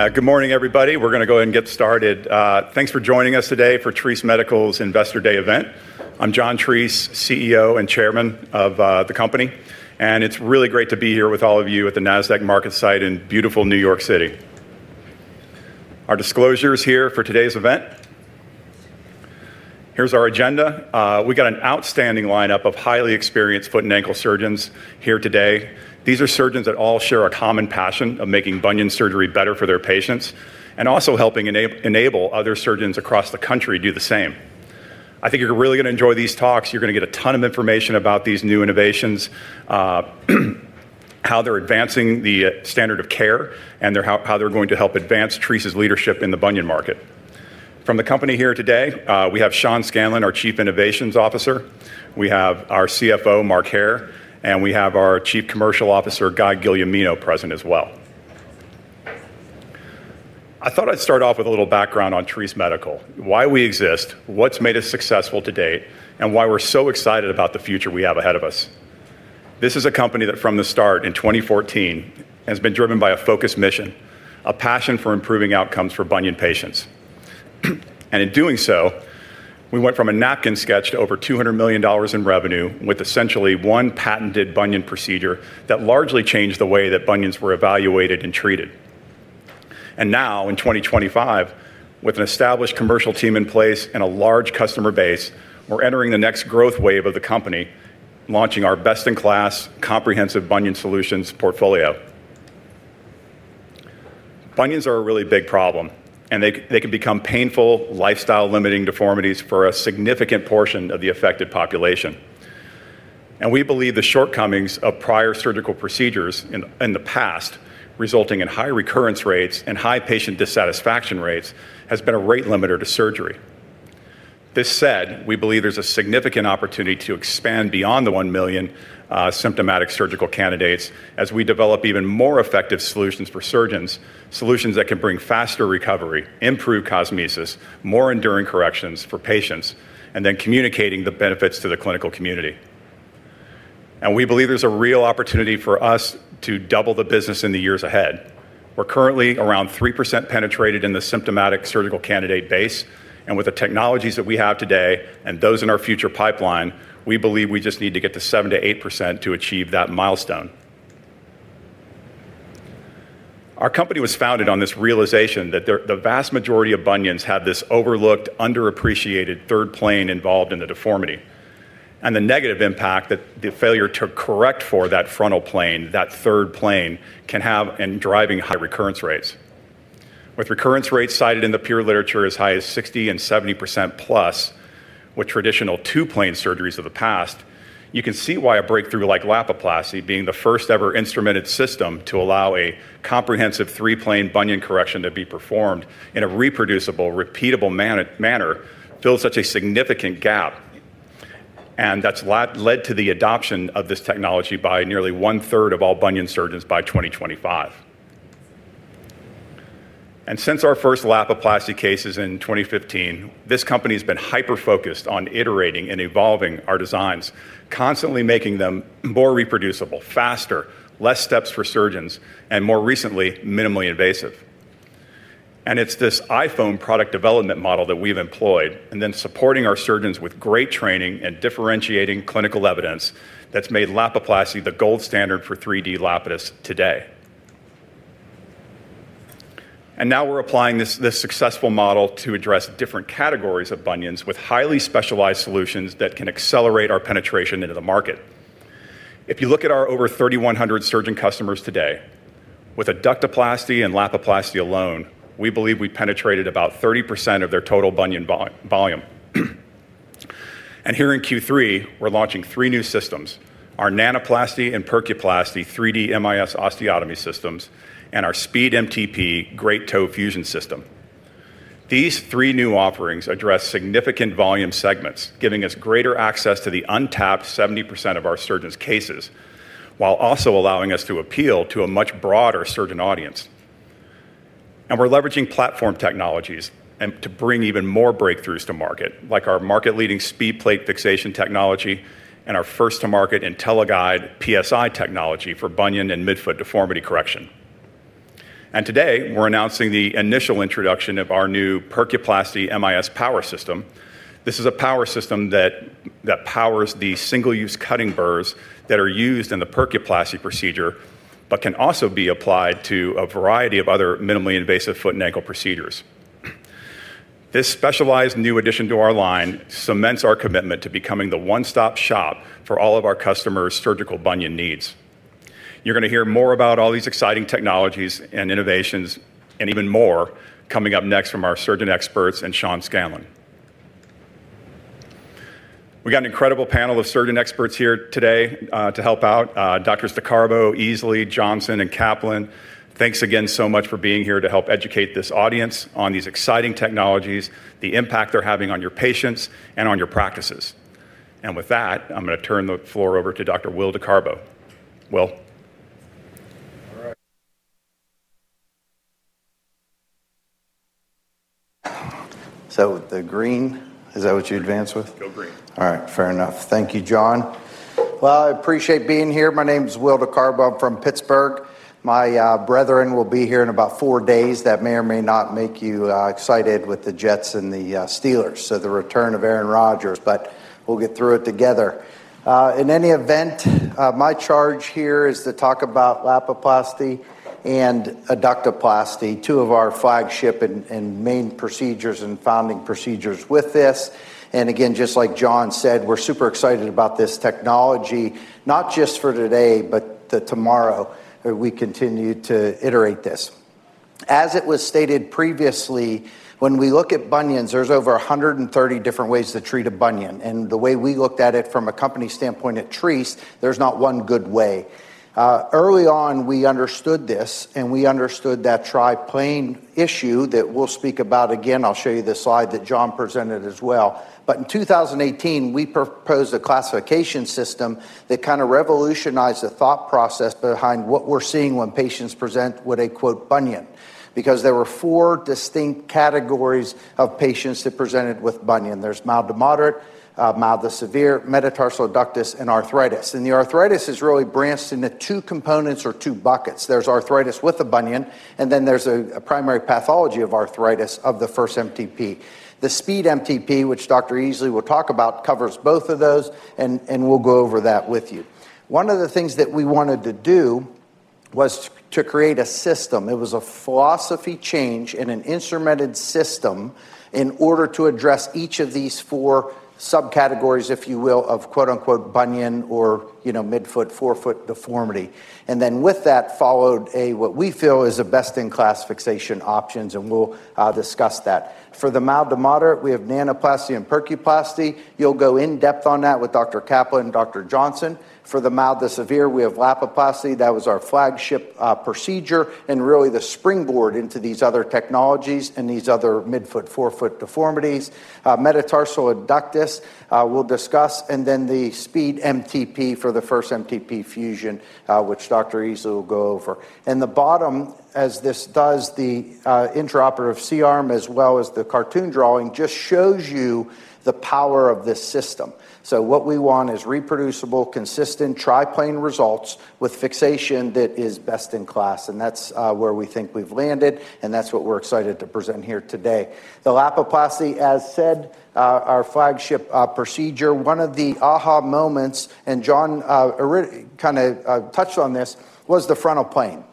Good morning, everybody. We're going to go ahead and get started. Thanks for joining us today for Treace Medical Concepts' Investor Day Event. I'm John T. Treace, CEO and Chairman of the company, and it's really great to be here with all of you at the NASDAQ Market Site in beautiful New York City. Our disclosures here for today's event. Here's our agenda. We've got an outstanding lineup of highly experienced foot and ankle surgeons here today. These are surgeons that all share a common passion of making bunion surgery better for their patients and also helping enable other surgeons across the country to do the same. I think you're really going to enjoy these talks. You're going to get a ton of information about these new innovations, how they're advancing the standard of care, and how they're going to help advance Treace's leadership in the bunion market. From the company here today, we have Sean Scanlon, our Chief Innovation Officer. We have our CFO, Marc Hair, and we have our Chief Commercial Officer, Guy Guglielmino, present as well. I thought I'd start off with a little background on Treace Medical Concepts, why we exist, what's made us successful to date, and why we're so excited about the future we have ahead of us. This is a company that, from the start in 2014, has been driven by a focused mission, a passion for improving outcomes for bunion patients. In doing so, we went from a napkin sketch to over $200 million in revenue with essentially one patented bunion procedure that largely changed the way that bunions were evaluated and treated. Now, in 2025, with an established commercial team in place and a large customer base, we're entering the next growth wave of the company, launching our best-in-class comprehensive bunion solutions portfolio. Bunions are a really big problem, and they can become painful, lifestyle-limiting deformities for a significant portion of the affected population. We believe the shortcomings of prior surgical procedures in the past, resulting in high recurrence rates and high patient dissatisfaction rates, have been a rate limiter to surgery. This said, we believe there's a significant opportunity to expand beyond the 1 million symptomatic surgical candidates as we develop even more effective solutions for surgeons, solutions that can bring faster recovery, improve cosmesis, more enduring corrections for patients, and then communicating the benefits to the clinical community. We believe there's a real opportunity for us to double the business in the years ahead. We're currently around 3% penetrated in the symptomatic surgical candidate base, and with the technologies that we have today and those in our future pipeline, we believe we just need to get to 7%-8% to achieve that milestone. Our company was founded on this realization that the vast majority of bunions have this overlooked, underappreciated third plane involved in the deformity. The negative impact that the failure to correct for that frontal plane, that third plane, can have in driving high recurrence rates is significant. With recurrence rates cited in the peer literature as high as 60% and 70%+ with traditional two-plane surgeries of the past, you can see why a breakthrough like Lapiplasty, being the first-ever instrumented system to allow a comprehensive three-plane bunion correction to be performed in a reproducible, repeatable manner, fills such a significant gap. That has led to the adoption of this technology by nearly one-third of all bunion surgeons by 2025. Since our first Lapiplasty cases in 2015, this company has been hyper-focused on iterating and evolving our designs, constantly making them more reproducible, faster, fewer steps for surgeons, and more recently, minimally invasive. It is this iPhone product development model that we've employed and then supporting our surgeons with great training and differentiating clinical evidence that's made Lapiplasty the gold standard for 3D Lapidus today. Now we're applying this successful model to address different categories of bunions with highly specialized solutions that can accelerate our penetration into the market. If you look at our over 3,100 surgeon customers today, with Adductoplasty and Lapiplasty alone, we believe we penetrated about 30% of their total bunion volume. Here in Q3, we're launching three new systems: our Nanoplasty and Percuplasty 3D MIS osteotomy systems and our SpeedMTP Rapid Compression Implant system. These three new offerings address significant volume segments, giving us greater access to the untapped 70% of our surgeons' cases, while also allowing us to appeal to a much broader surgeon audience. We're leveraging platform technologies to bring even more breakthroughs to market, like our market-leading SpeedPlate Rapid Compression Implants technology and our first-to-market IntelliGuide PSI technology for bunion and midfoot deformity correction. Today, we're announcing the initial introduction of our new Percuplasty™ MIS power system. This is a power system that powers the single-use cutting burs that are used in the Percuplasty™ procedure but can also be applied to a variety of other minimally invasive foot and ankle procedures. This specialized new addition to our line cements our commitment to becoming the one-stop shop for all of our customers' surgical bunion needs. You're going to hear more about all these exciting technologies and innovations and even more coming up next from our surgeon experts and Sean Scanlon. We have an incredible panel of surgeon experts here today to help out: Dr. Staccardo, Easley, Johnson, and Kaplan. Thanks again so much for being here to help educate this audience on these exciting technologies, the impact they're having on your patients, and on your practices. With that, I'm going to turn the floor over to Dr. Will DeCarbo. Will. Is that what you advance with, the green? Go green. All right. Fair enough. Thank you, John. I appreciate being here. My name is Will DeCarbo from Pittsburgh. My brethren will be here in about four days. That may or may not make you excited with the Jets and the Steelers, the return of Aaron Rodgers, but we'll get through it together. In any event, my charge here is to talk about Lapiplasty® and Adductoplasty®, two of our flagship and main procedures and founding procedures with this. Again, just like John said, we're super excited about this technology, not just for today, but tomorrow, we continue to iterate this. As it was stated previously, when we look at bunions, there's over 130 different ways to treat a bunion. The way we looked at it from a company standpoint at Treace, there's not one good way. Early on, we understood this, and we understood that triplanar issue that we'll speak about again. I'll show you the slide that John presented as well. In 2018, we proposed a classification system that kind of revolutionized the thought process behind what we're seeing when patients present with a "bunion," because there were four distinct categories of patients that presented with bunion. There's mild to moderate, mild to severe metatarsus adductus and arthritis. The arthritis is really branched into two components or two buckets. There's arthritis with a bunion, and then there's a primary pathology of arthritis of the first MTP. The SpeedMTP™ Rapid Compression Implant, which Dr. Easley will talk about, covers both of those, and we'll go over that with you. One of the things that we wanted to do was to create a system. It was a philosophy change in an instrumented system in order to address each of these four subcategories, if you will, of "bunion" or midfoot/forefoot deformity. With that followed what we feel is a best-in-class fixation options, and we'll discuss that. For the mild to moderate, we have Nanoplasty™ and Percuplasty™. You'll go in depth on that with Dr. Kaplan and Dr. Johnson. For the mild to severe, we have Lapiplasty®. That was our flagship procedure and really the springboard into these other technologies and these other midfoot/forefoot deformities. Metatarsus adductus we'll discuss, and then the SpeedMTP™ for the first MTP fusion, which Dr. Easley will go over. At the bottom, as this does the intraoperative C-arm as well as the cartoon drawing, just shows you the power of this system. What we want is reproducible, consistent triplanar results with fixation that is best in class. That's where we think we've landed, and that's what we're excited to present here today. The Lapiplasty® 3D Bunion Correction® System, as said, our flagship procedure, one of the aha moments, and John kind of touched on this, was the frontal plane.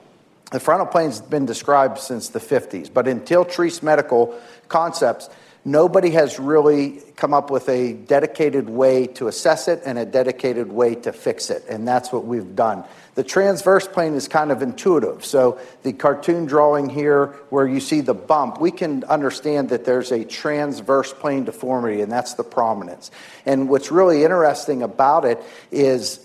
The frontal plane has been described since the 1950s, but until Treace Medical Concepts, nobody has really come up with a dedicated way to assess it and a dedicated way to fix it. That's what we've done. The transverse plane is kind of intuitive. The cartoon drawing here where you see the bump, we can understand that there's a transverse plane deformity, and that's the prominence. What's really interesting about it is,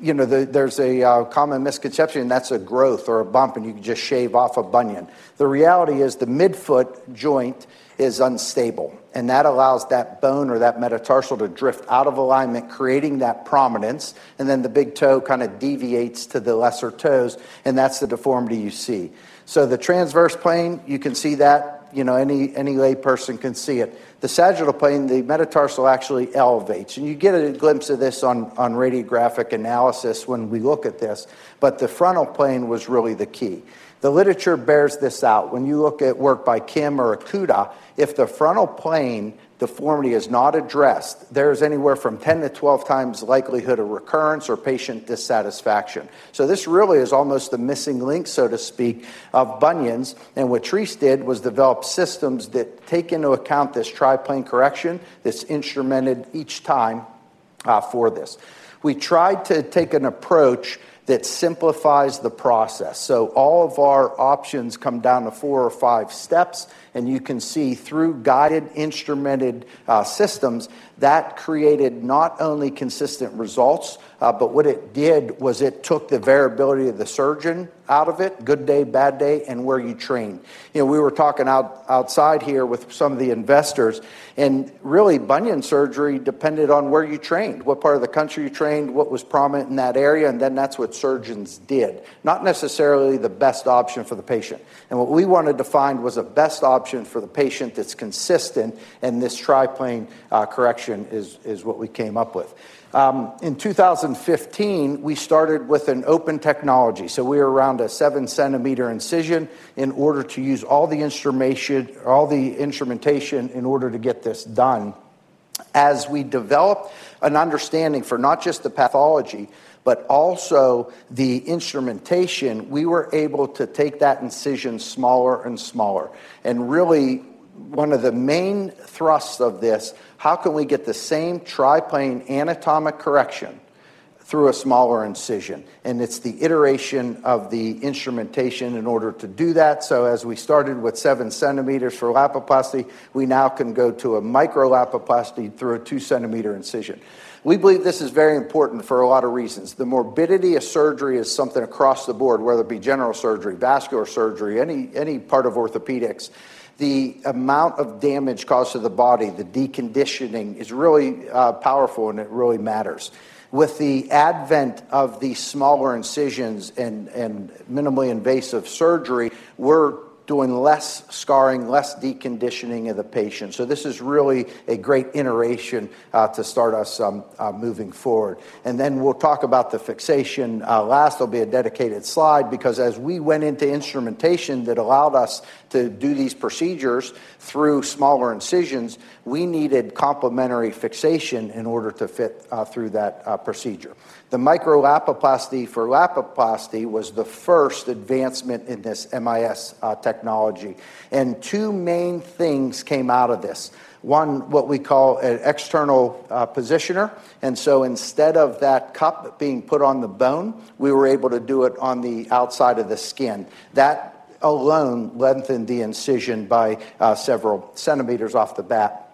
you know, there's a common misconception, and that's a growth or a bump, and you can just shave off a bunion. The reality is the midfoot joint is unstable, and that allows that bone or that metatarsal to drift out of alignment, creating that prominence. The big toe kind of deviates to the lesser toes, and that's the deformity you see. The transverse plane, you can see that, you know, any layperson can see it. The sagittal plane, the metatarsal actually elevates, and you get a glimpse of this on radiographic analysis when we look at this. The frontal plane was really the key. The literature bears this out. When you look at work by Kim or Acuda, if the frontal plane deformity is not addressed, there's anywhere from 10x-12x the likelihood of recurrence or patient dissatisfaction. This really is almost the missing link, so to speak, of bunions. What Treace did was develop systems that take into account this triplanar correction, this instrumented. Each time for this, we tried to take an approach that simplifies the process. All of our options come down to four or five steps, and you can see through guided instrumented systems that created not only consistent results, but what it did was it took the variability of the surgeon out of it, good day, bad day, and where you trained. We were talking outside here with some of the investors, and really bunion surgery depended on where you trained, what part of the country you trained, what was prominent in that area. That's what surgeons did, not necessarily the best option for the patient. What we wanted to find was a best option for the patient that's consistent, and this triplanar correction is what we came up with. In 2015, we started with an open technology. We were around a seven-centimeter incision in order to use all the instrumentation in order to get this done. As we developed an understanding for not just the pathology, but also the instrumentation, we were able to take that incision smaller and smaller. One of the main thrusts of this is how can we get the same triplane anatomic correction through a smaller incision? It's the iteration of the instrumentation in order to do that. As we started with 7 cm for Lapiplasty® 3D Bunion Correction® System, we now can go to a micro Lapiplasty® through a two-centimeter incision. We believe this is very important for a lot of reasons. The morbidity of surgery is something across the board, whether it be general surgery, vascular surgery, any part of orthopedics. The amount of damage caused to the body, the deconditioning is really powerful, and it really matters. With the advent of the smaller incisions and minimally invasive surgery, we're doing less scarring, less deconditioning of the patient. This is really a great iteration to start us moving forward. We'll talk about the fixation. There will be a dedicated slide because as we went into instrumentation that allowed us to do these procedures through smaller incisions, we needed complementary fixation in order to fit through that procedure. The micro Lapiplasty® for Lapiplasty® 3D Bunion Correction® System was the first advancement in this MIS technology. Two main things came out of this. One, what we call an external positioner. Instead of that cup being put on the bone, we were able to do it on the outside of the skin. That alone lengthened the incision by several centimeters off the bat.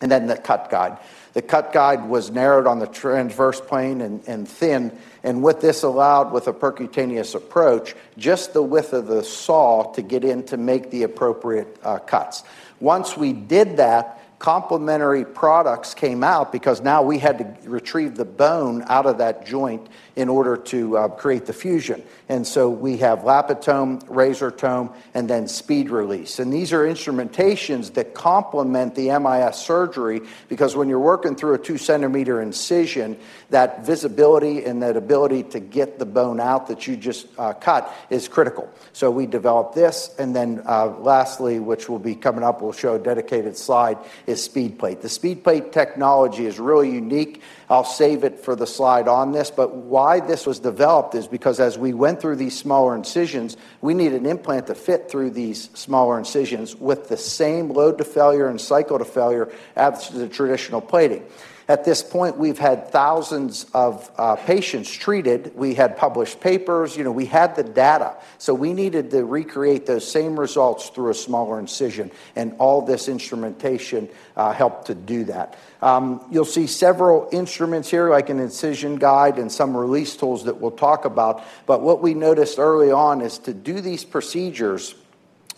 The cut guide was narrowed on the transverse plane and thinned. What this allowed with a percutaneous approach was just the width of the saw to get in to make the appropriate cuts. Once we did that, complementary products came out because now we had to retrieve the bone out of that joint in order to create the fusion. We have Lapitome, RazorTome, and then SpeedRelease. These are instrumentations that complement the MIS surgery because when you're working through a two-centimeter incision, that visibility and that ability to get the bone out that you just cut is critical. We developed this. Lastly, which will be coming up, we'll show a dedicated slide, is SpeedPlate™ Rapid Compression Implants. The SpeedPlate™ technology is really unique. I'll save it for the slide on this. Why this was developed is because as we went through these smaller incisions, we need an implant to fit through these smaller incisions with the same load to failure and cycle to failure as the traditional plating. At this point, we've had thousands of patients treated. We had published papers. You know, we had the data. We needed to recreate those same results through a smaller incision. All this instrumentation helped to do that. You'll see several instruments here, like an incision guide and some release tools that we'll talk about. What we noticed early on is to do these procedures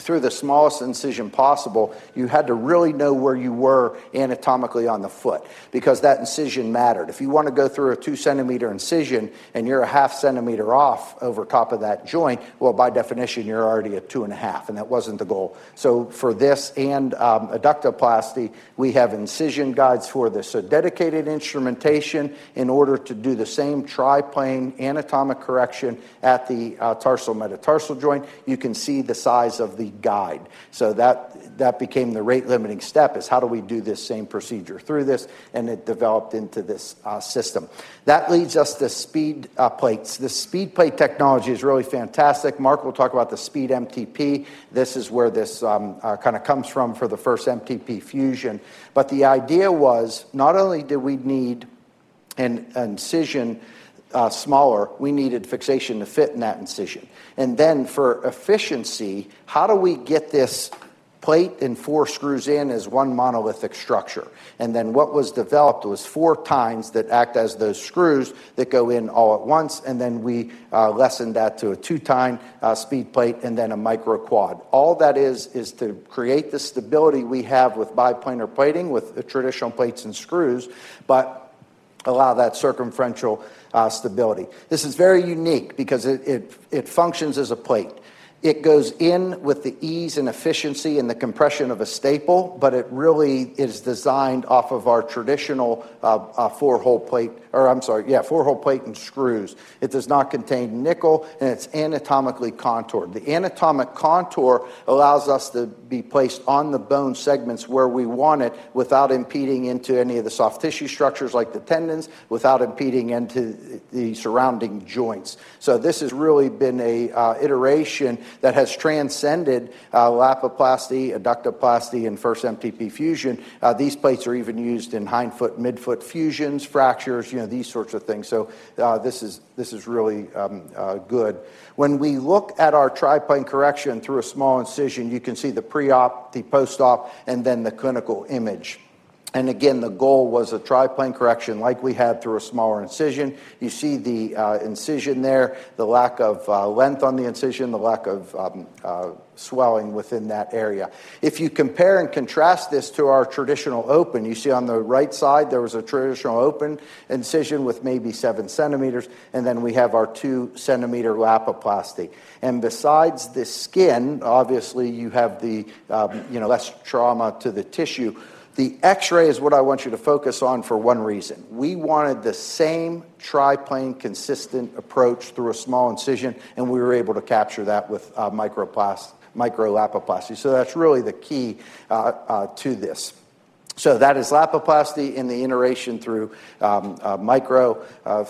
through the smallest incision possible, you had to really know where you were anatomically on the foot because that incision mattered. If you want to go through a two-centimeter incision and you're a half centimeter off over top of that joint, by definition, you're already at two and a half, and that wasn't the goal. For this and Adductoplasty®, we have incision guides for this. Dedicated instrumentation is needed in order to do the same triplanar anatomic correction at the tarsal metatarsal joint. You can see the size of the guide. That became the rate-limiting step: how do we do this same procedure through this? It developed into this system. That leads us to SpeedPlate™. The SpeedPlate™ technology is really fantastic. Mark will talk about the SpeedMTP™. This is where this kind of comes from for the first MTP fusion. The idea was not only did we need an incision smaller, we needed fixation to fit in that incision. For efficiency, how do we get this plate and four screws in as one monolithic structure? What was developed was four tines that act as those screws that go in all at once. We lessened that to a two-tine SpeedPlate™ and then a micro quad. All that is to create the stability we have with biplanar plating with the traditional plates and screws, but allow that circumferential stability. This is very unique because it functions as a plate. It goes in with the ease and efficiency and the compression of a staple, but it really is designed off of our traditional four-hole plate and screws. It does not contain nickel, and it's anatomically contoured. The anatomic contour allows us to place it on the bone segments where we want it without impeding into any of the soft tissue structures like the tendons, without impeding into the surrounding joints. This has really been an iteration that has transcended Lapiplasty®, Adductoplasty®, and first MTP fusion. These plates are even used in hindfoot, midfoot fusions, fractures, these sorts of things. This is really good. When we look at our triplanar correction through a small incision, you can see the pre-op, the post-op, and then the clinical image. Again, the goal was a triplanar correction like we had through a smaller incision. You see the incision there, the lack of length on the incision, the lack of swelling within that area. If you compare and contrast this to our traditional open, you see on the right side, there was a traditional open incision with maybe seven centimeters, and then we have our two-centimeter Lapiplasty®. Besides the skin, obviously, you have less trauma to the tissue. The X-ray is what I want you to focus on for one reason. We wanted the same triplanar consistent approach through a small incision, and we were able to capture that with micro Lapiplasty®. That is really the key to this. That is Lapiplasty® in the iteration through micro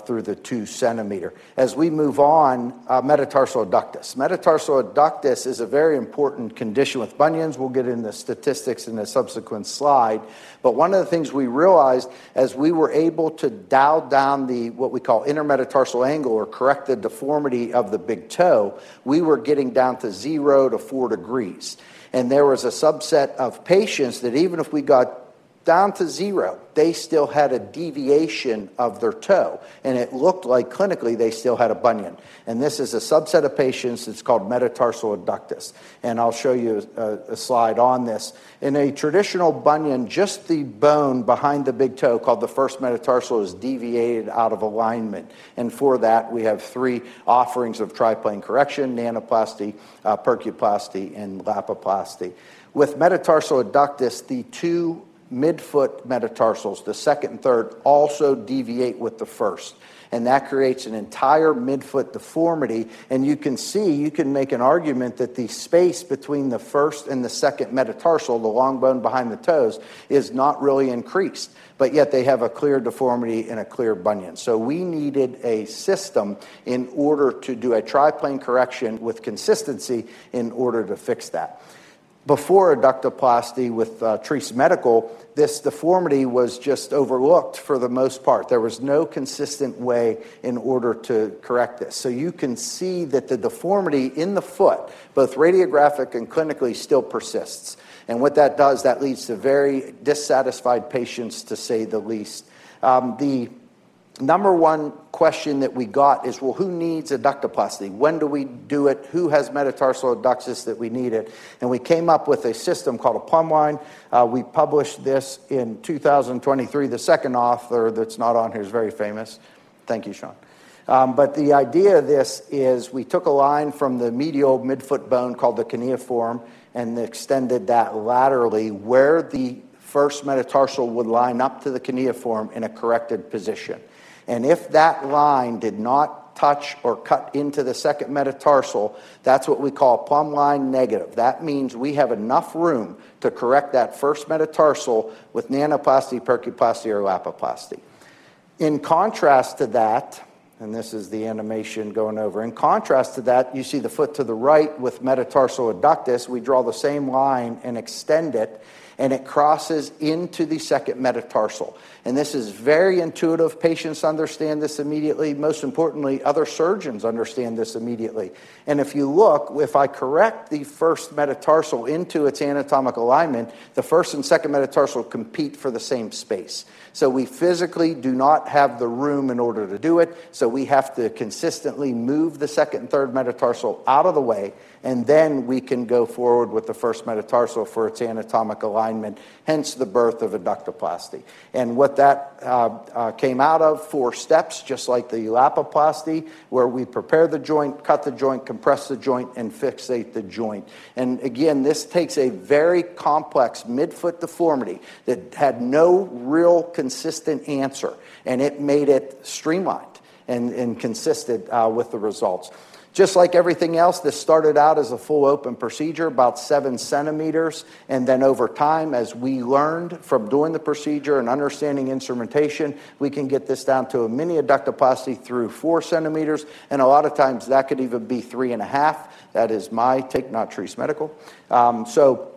through the two centimeter. As we move on, metatarsus adductus. Metatarsus adductus is a very important condition with bunions. We'll get into statistics in a subsequent slide. One of the things we realized as we were able to dial down what we call intermetatarsal angle or correct the deformity of the big toe, we were getting down to 0°-4°. There was a subset of patients that even if we got down to zero, they still had a deviation of their toe, and it looked like clinically they still had a bunion. This is a subset of patients. It's called metatarsus adductus. I'll show you a slide on this. In a traditional bunion, just the bone behind the big toe called the first metatarsal is deviated out of alignment. For that, we have three offerings of triplanar correction: Nanoplasty™, Percuplasty™, and Lapiplasty®. With metatarsus adductus, the two midfoot metatarsals, the second and third, also deviate with the first. That creates an entire midfoot deformity. You can see, you can make an argument that the space between the first and the second metatarsal, the long bone behind the toes, is not really increased, but yet they have a clear deformity and a clear bunion. We needed a system in order to do a triplanar correction with consistency in order to fix that. Before Adductoplasty® with Treace Medical, this deformity was just overlooked for the most part. There was no consistent way in order to correct this. You can see that the deformity in the foot, both radiographic and clinically, still persists. What that does is lead to very dissatisfied patients, to say the least. The number one question that we got is, who needs Adductoplasty®? When do we do it? Who has metatarsus adductus that we need it? We came up with a system called a Pumline. We published this in 2023. The second author that's not on here is very famous. Thank you, Sean. The idea of this is we took a line from the medial midfoot bone called the cuneiform and extended that laterally where the first metatarsal would line up to the cuneiform in a corrected position. If that line did not touch or cut into the second metatarsal, that's what we call Pumline negative. That means we have enough room to correct that first metatarsal with Nanoplasty™, Percuplasty™, or Lapiplasty®. In contrast to that, and this is the animation going over, in contrast to that, you see the foot to the right with metatarsus adductus. We draw the same line and extend it, and it crosses into the second metatarsal. This is very intuitive. Patients understand this immediately. Most importantly, other surgeons understand this immediately. If you look, if I correct the first metatarsal into its anatomic alignment, the first and second metatarsal compete for the same space. We physically do not have the room in order to do it. We have to consistently move the second and third metatarsal out of the way, and then we can go forward with the first metatarsal for its anatomic alignment, hence the birth of Adductoplasty®. What that came out of is four steps, just like the Lapiplasty®, where we prepare the joint, cut the joint, compress the joint, and fixate the joint. This takes a very complex midfoot deformity that had no real consistent answer, and it made it streamlined and consistent with the results. Just like everything else, this started out as a full open procedure, about seven centimeters. Over time, as we learned from doing the procedure and understanding instrumentation, we can get this down to a mini Adductoplasty® through four centimeters. A lot of times that could even be three and a half. That is my take, not Treace Medical Concepts.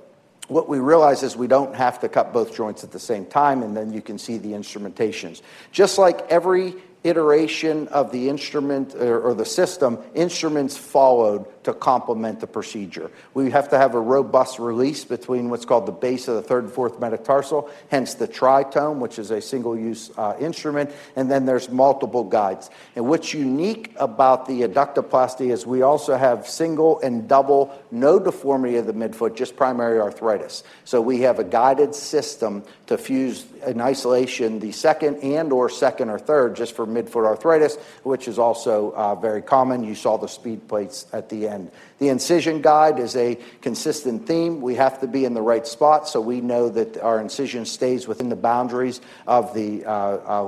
What we realized is we don't have to cut both joints at the same time. You can see the instrumentations. Just like every iteration of the instrument or the system, instruments followed to complement the procedure. We have to have a robust release between what's called the base of the third and fourth metatarsal, hence the Tritome, which is a single-use instrument. There are multiple guides. What's unique about the Adductoplasty® is we also have single and double, no deformity of the midfoot, just primary arthritis. We have a guided system to fuse in isolation the second and/or second or third, just for midfoot arthritis, which is also very common. You saw the SpeedPlate™ at the end. The incision guide is a consistent theme. We have to be in the right spot so we know that our incision stays within the boundaries of the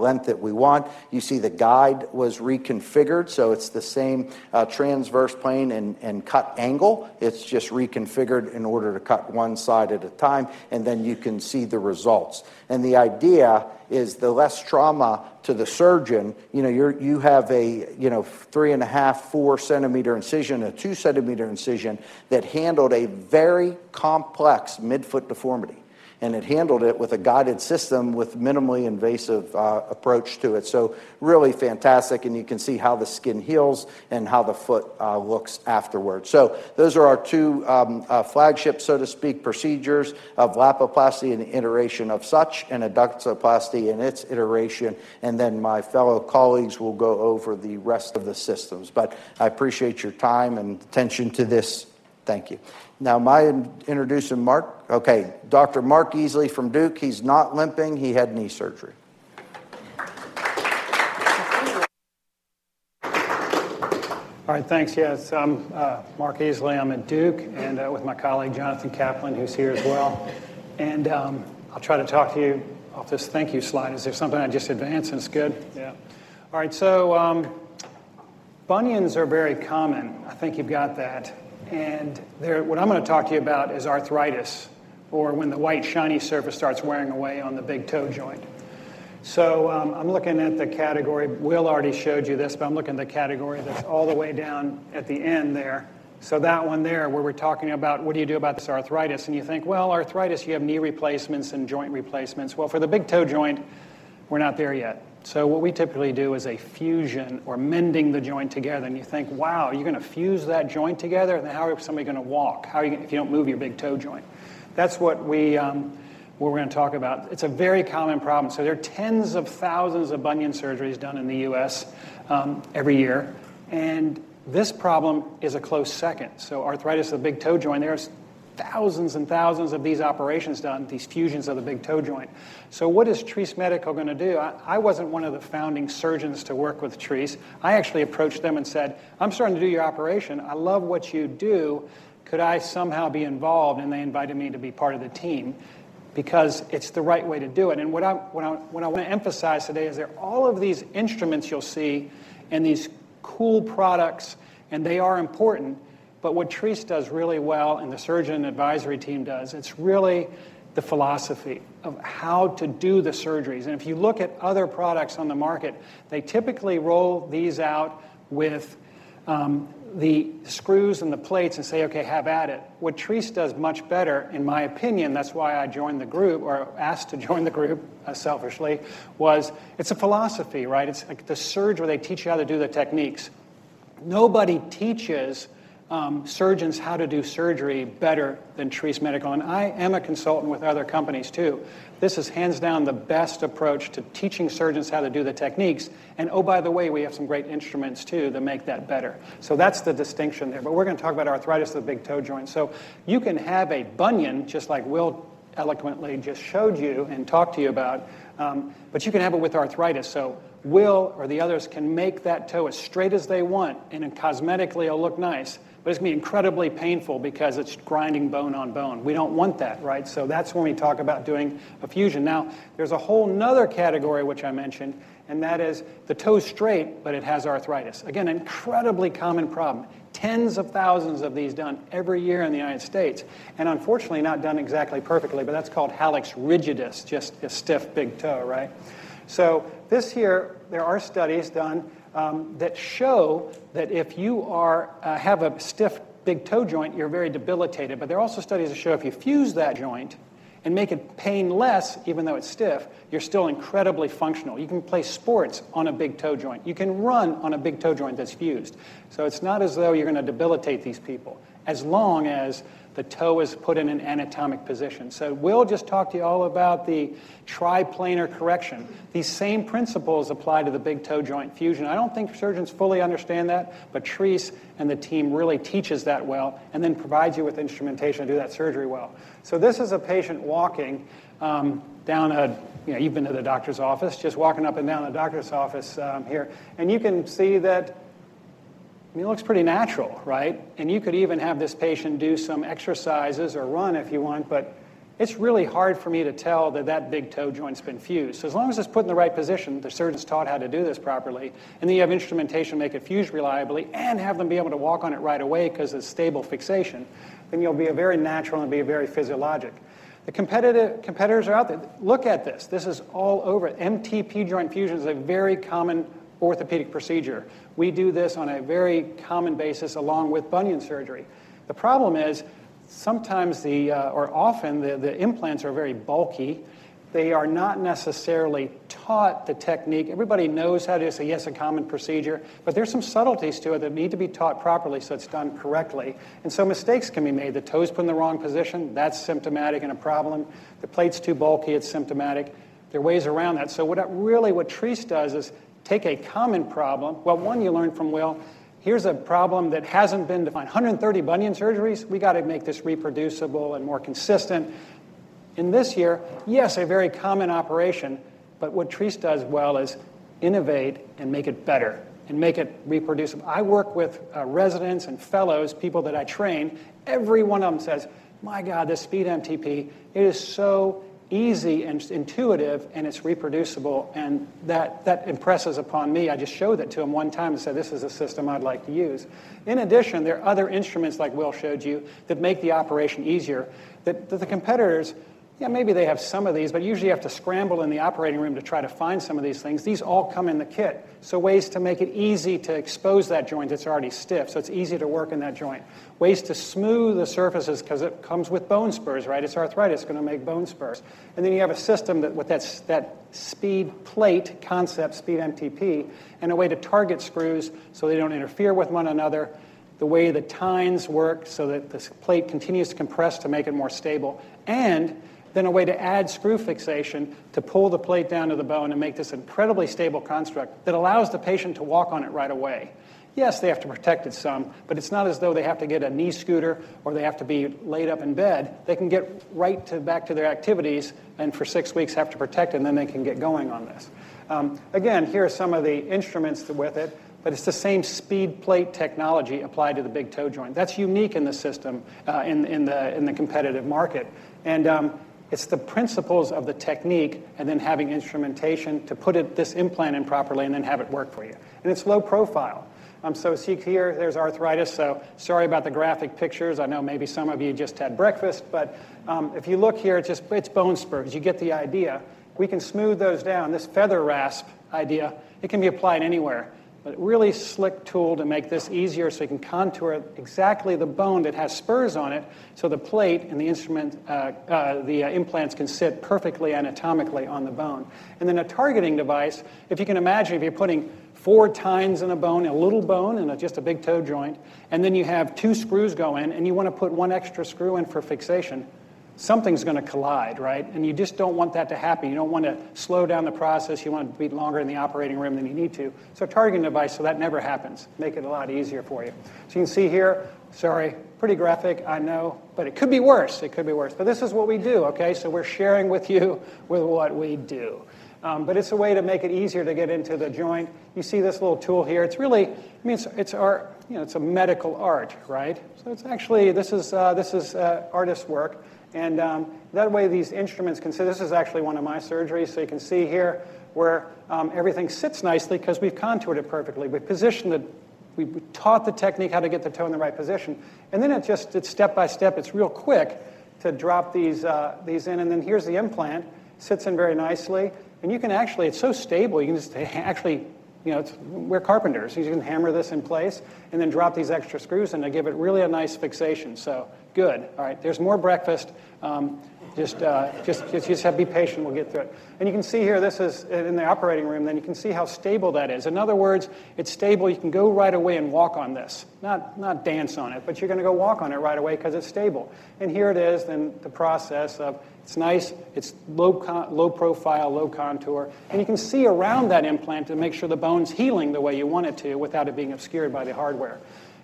length that we want. You see the guide was reconfigured. It's the same transverse plane and cut angle. It's just reconfigured in order to cut one side at a time. You can see the results. The idea is the less trauma to the surgeon. You have a three and a half, four-centimeter incision, a two-centimeter incision that handled a very complex midfoot deformity. It handled it with a guided system with a minimally invasive approach to it. Really fantastic. You can see how the skin heals and how the foot looks afterwards. Those are our two flagship, so to speak, procedures of Lapiplasty® and the iteration of such and Adductoplasty® and its iteration. My fellow colleagues will go over the rest of the systems. I appreciate your time and attention to this. Thank you. Now, my introducer, Mark. Okay, Dr. Mark Easley from Duke. He's not limping. He had knee surgery. All right, thanks. Yes, I'm Mark Easley. I'm at Duke and with my colleague Jonathan Kaplan, who's here as well. I'll try to talk to you. I'll just thank you slide. Is there something I just advanced and it's good? All right, bunions are very common. I think you've got that. What I'm going to talk to you about is arthritis or when the white shiny surface starts wearing away on the big toe joint. I'm looking at the category. Will already showed you this, but I'm looking at the category that's all the way down at the end there. That one there where we're talking about what do you do about this arthritis? You think, arthritis, you have knee replacements and joint replacements. For the big toe joint, we're not there yet. What we typically do is a fusion or mending the joint together. You think, wow, you're going to fuse that joint together? How are somebody going to walk? How are you going to, if you don't move your big toe joint? That's what we're going to talk about. It's a very common problem. There are tens of thousands of bunion surgeries done in the U.S. every year. This problem is a close second. Arthritis of the big toe joint, there's thousands and thousands of these operations done, these fusions of the big toe joint. What is Treace Medical going to do? I wasn't one of the founding surgeons to work with Treace. I actually approached them and said, I'm starting to do your operation. I love what you do. Could I somehow be involved? They invited me to be part of the team because it's the right way to do it. What I want to emphasize today is that all of these instruments you'll see and these cool products, and they are important. What Treace does really well and the surgeon advisory team does, it's really the philosophy of how to do the surgeries. If you look at other products on the market, they typically roll these out with the screws and the plates and say, okay, have at it. What Treace does much better, in my opinion, that's why I joined the group or asked to join the group selfishly, was it's a philosophy, right? It's like the surge where they teach you how to do the techniques. Nobody teaches surgeons how to do surgery better than Treace Medical. I am a consultant with other companies too. This is hands down the best approach to teaching surgeons how to do the techniques. Oh, by the way, we have some great instruments too that make that better. That's the distinction there. We're going to talk about arthritis of the big toe joint. You can have a bunion, just like Will eloquently just showed you and talked to you about, but you can have it with arthritis. Will or the others can make that toe as straight as they want, and cosmetically it'll look nice, but it's going to be incredibly painful because it's grinding bone on bone. We don't want that, right? That's when we talk about doing a fusion. There is a whole other category which I mentioned, and that is the toe is straight, but it has arthritis. Again, an incredibly common problem. Tens of thousands of these done every year in the United States, and unfortunately not done exactly perfectly, but that's called hallux rigidus, just a stiff big toe, right? This year, there are studies done that show that if you have a stiff big toe joint, you're very debilitated. There are also studies that show if you fuse that joint and make it painless, even though it's stiff, you're still incredibly functional. You can play sports on a big toe joint. You can run on a big toe joint that's fused. It's not as though you're going to debilitate these people as long as the toe is put in an anatomic position. Will just talked to you all about the triplanar correction. These same principles apply to the big toe joint fusion. I don't think surgeons fully understand that, but Treace and the team really teach us that well and then provide you with instrumentation to do that surgery well. This is a patient walking down a, you've been to the doctor's office, just walking up and down the doctor's office here. You can see that it looks pretty natural, right? You could even have this patient do some exercises or run if you want, but it's really hard for me to tell that that big toe joint's been fused. As long as it's put in the right position, the surgeons taught how to do this properly, and then you have instrumentation to make it fuse reliably and have them be able to walk on it right away because it's a stable fixation, then you'll be very natural and be very physiologic. The competitors are out there. Look at this. This is all over it. MTP joint fusion is a very common orthopedic procedure. We do this on a very common basis along with bunion surgery. The problem is sometimes, or often, the implants are very bulky. They are not necessarily taught the technique. Everybody knows how to do this. Yes, a common procedure, but there's some subtleties to it that need to be taught properly so it's done correctly. Mistakes can be made. The toe's put in the wrong position. That's symptomatic and a problem. The plate's too bulky. It's symptomatic. There are ways around that. What Treace does is take a common problem. You learned from Will, here's a problem that hasn't been defined. 130 bunion surgeries. We got to make this reproducible and more consistent. In this year, yes, a very common operation. What Treace does well is innovate and make it better and make it reproducible. I work with residents and fellows, people that I train. Every one of them says, "My God, this SpeedMTP, it is so easy and intuitive and it's reproducible." That impresses upon me. I just showed it to them one time and said, "This is a system I'd like to use." In addition, there are other instruments like Will showed you that make the operation easier. The competitors, yeah, maybe they have some of these, but usually you have to scramble in the operating room to try to find some of these things. These all come in the kit. Ways to make it easy to expose that joint. It's already stiff, so it's easy to work in that joint. Ways to smooth the surfaces because it comes with bone spurs, right? It's arthritis going to make bone spurs. You have a system that with that SpeedPlate concept, SpeedMTP, and a way to target screws so they don't interfere with one another, the way the tines work so that the plate continues to compress to make it more stable. A way to add screw fixation to pull the plate down to the bone and make this an incredibly stable construct that allows the patient to walk on it right away. Yes, they have to protect it some, but it's not as though they have to get a knee scooter or they have to be laid up in bed. They can get right back to their activities and for six weeks have to protect it, and then they can get going on this. Here are some of the instruments with it, but it's the same SpeedPlate technology applied to the big toe joint. That's unique in the system in the competitive market. It's the principles of the technique and then having instrumentation to put this implant in properly and then have it work for you. It's low profile. See here, there's arthritis. Sorry about the graphic pictures. I know maybe some of you just had breakfast, but if you look here, it's just bone spurs. You get the idea. We can smooth those down. This feather rasp idea, it can be applied anywhere. A really slick tool to make this easier so you can contour exactly the bone that has spurs on it so the plate and the implants can sit perfectly anatomically on the bone. A targeting device, if you can imagine, if you're putting four tines in a bone, a little bone and just a big toe joint, and then you have two screws go in and you want to put one extra screw in for fixation, something's going to collide, right? You just don't want that to happen. You don't want to slow down the process. You don't want to be longer in the operating room than you need to. A targeting device so that never happens makes it a lot easier for you. You can see here, sorry, pretty graphic, I know, but it could be worse. This is what we do, okay? We're sharing with you what we do. It's a way to make it easier to get into the joint. You see this little tool here. It's really, I mean, it's a medical art, right? It's actually, this is artist's work. That way, these instruments can, so this is actually one of my surgeries. You can see here where everything sits nicely because we've contoured it perfectly. We've positioned it. We taught the technique how to get the toe in the right position. It's step by step. It's real quick to drop these in. Here's the implant. Sits in very nicely. You can actually, it's so stable. You can just say, actually, you know, we're carpenters. You can hammer this in place and then drop these extra screws and give it really a nice fixation. Good. All right. There's more breakfast. Just be patient. We'll get through it. You can see here, this is in the operating room. You can see how stable that is. In other words, it's stable. You can go right away and walk on this. Not dance on it, but you're going to go walk on it right away because it's stable. Here it is, then the process of it's nice. It's low profile, low contour. You can see around that implant to make sure the bone's healing the way you want it to without it being obscured by the hardware.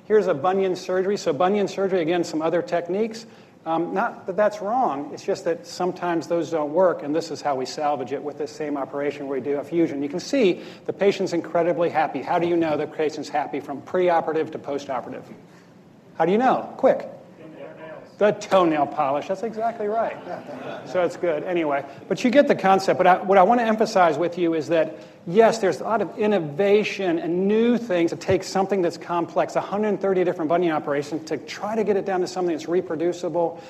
Here's a bunion surgery. Bunion surgery, again, some other techniques. Not that that's wrong. It's just that sometimes those don't work. This is how we salvage it with this same operation where we do a fusion. You can see the patient's incredibly happy. How do you know the patient's happy from preoperative to postoperative? How do you know? Quick. The toenail polish. That's exactly right. It's good. Anyway, you get the concept. What I want to emphasize with you is that, yes, there's a lot of innovation and new things that take something that's complex, 130 different bunion operations, to try to get it down to something that's reproducible,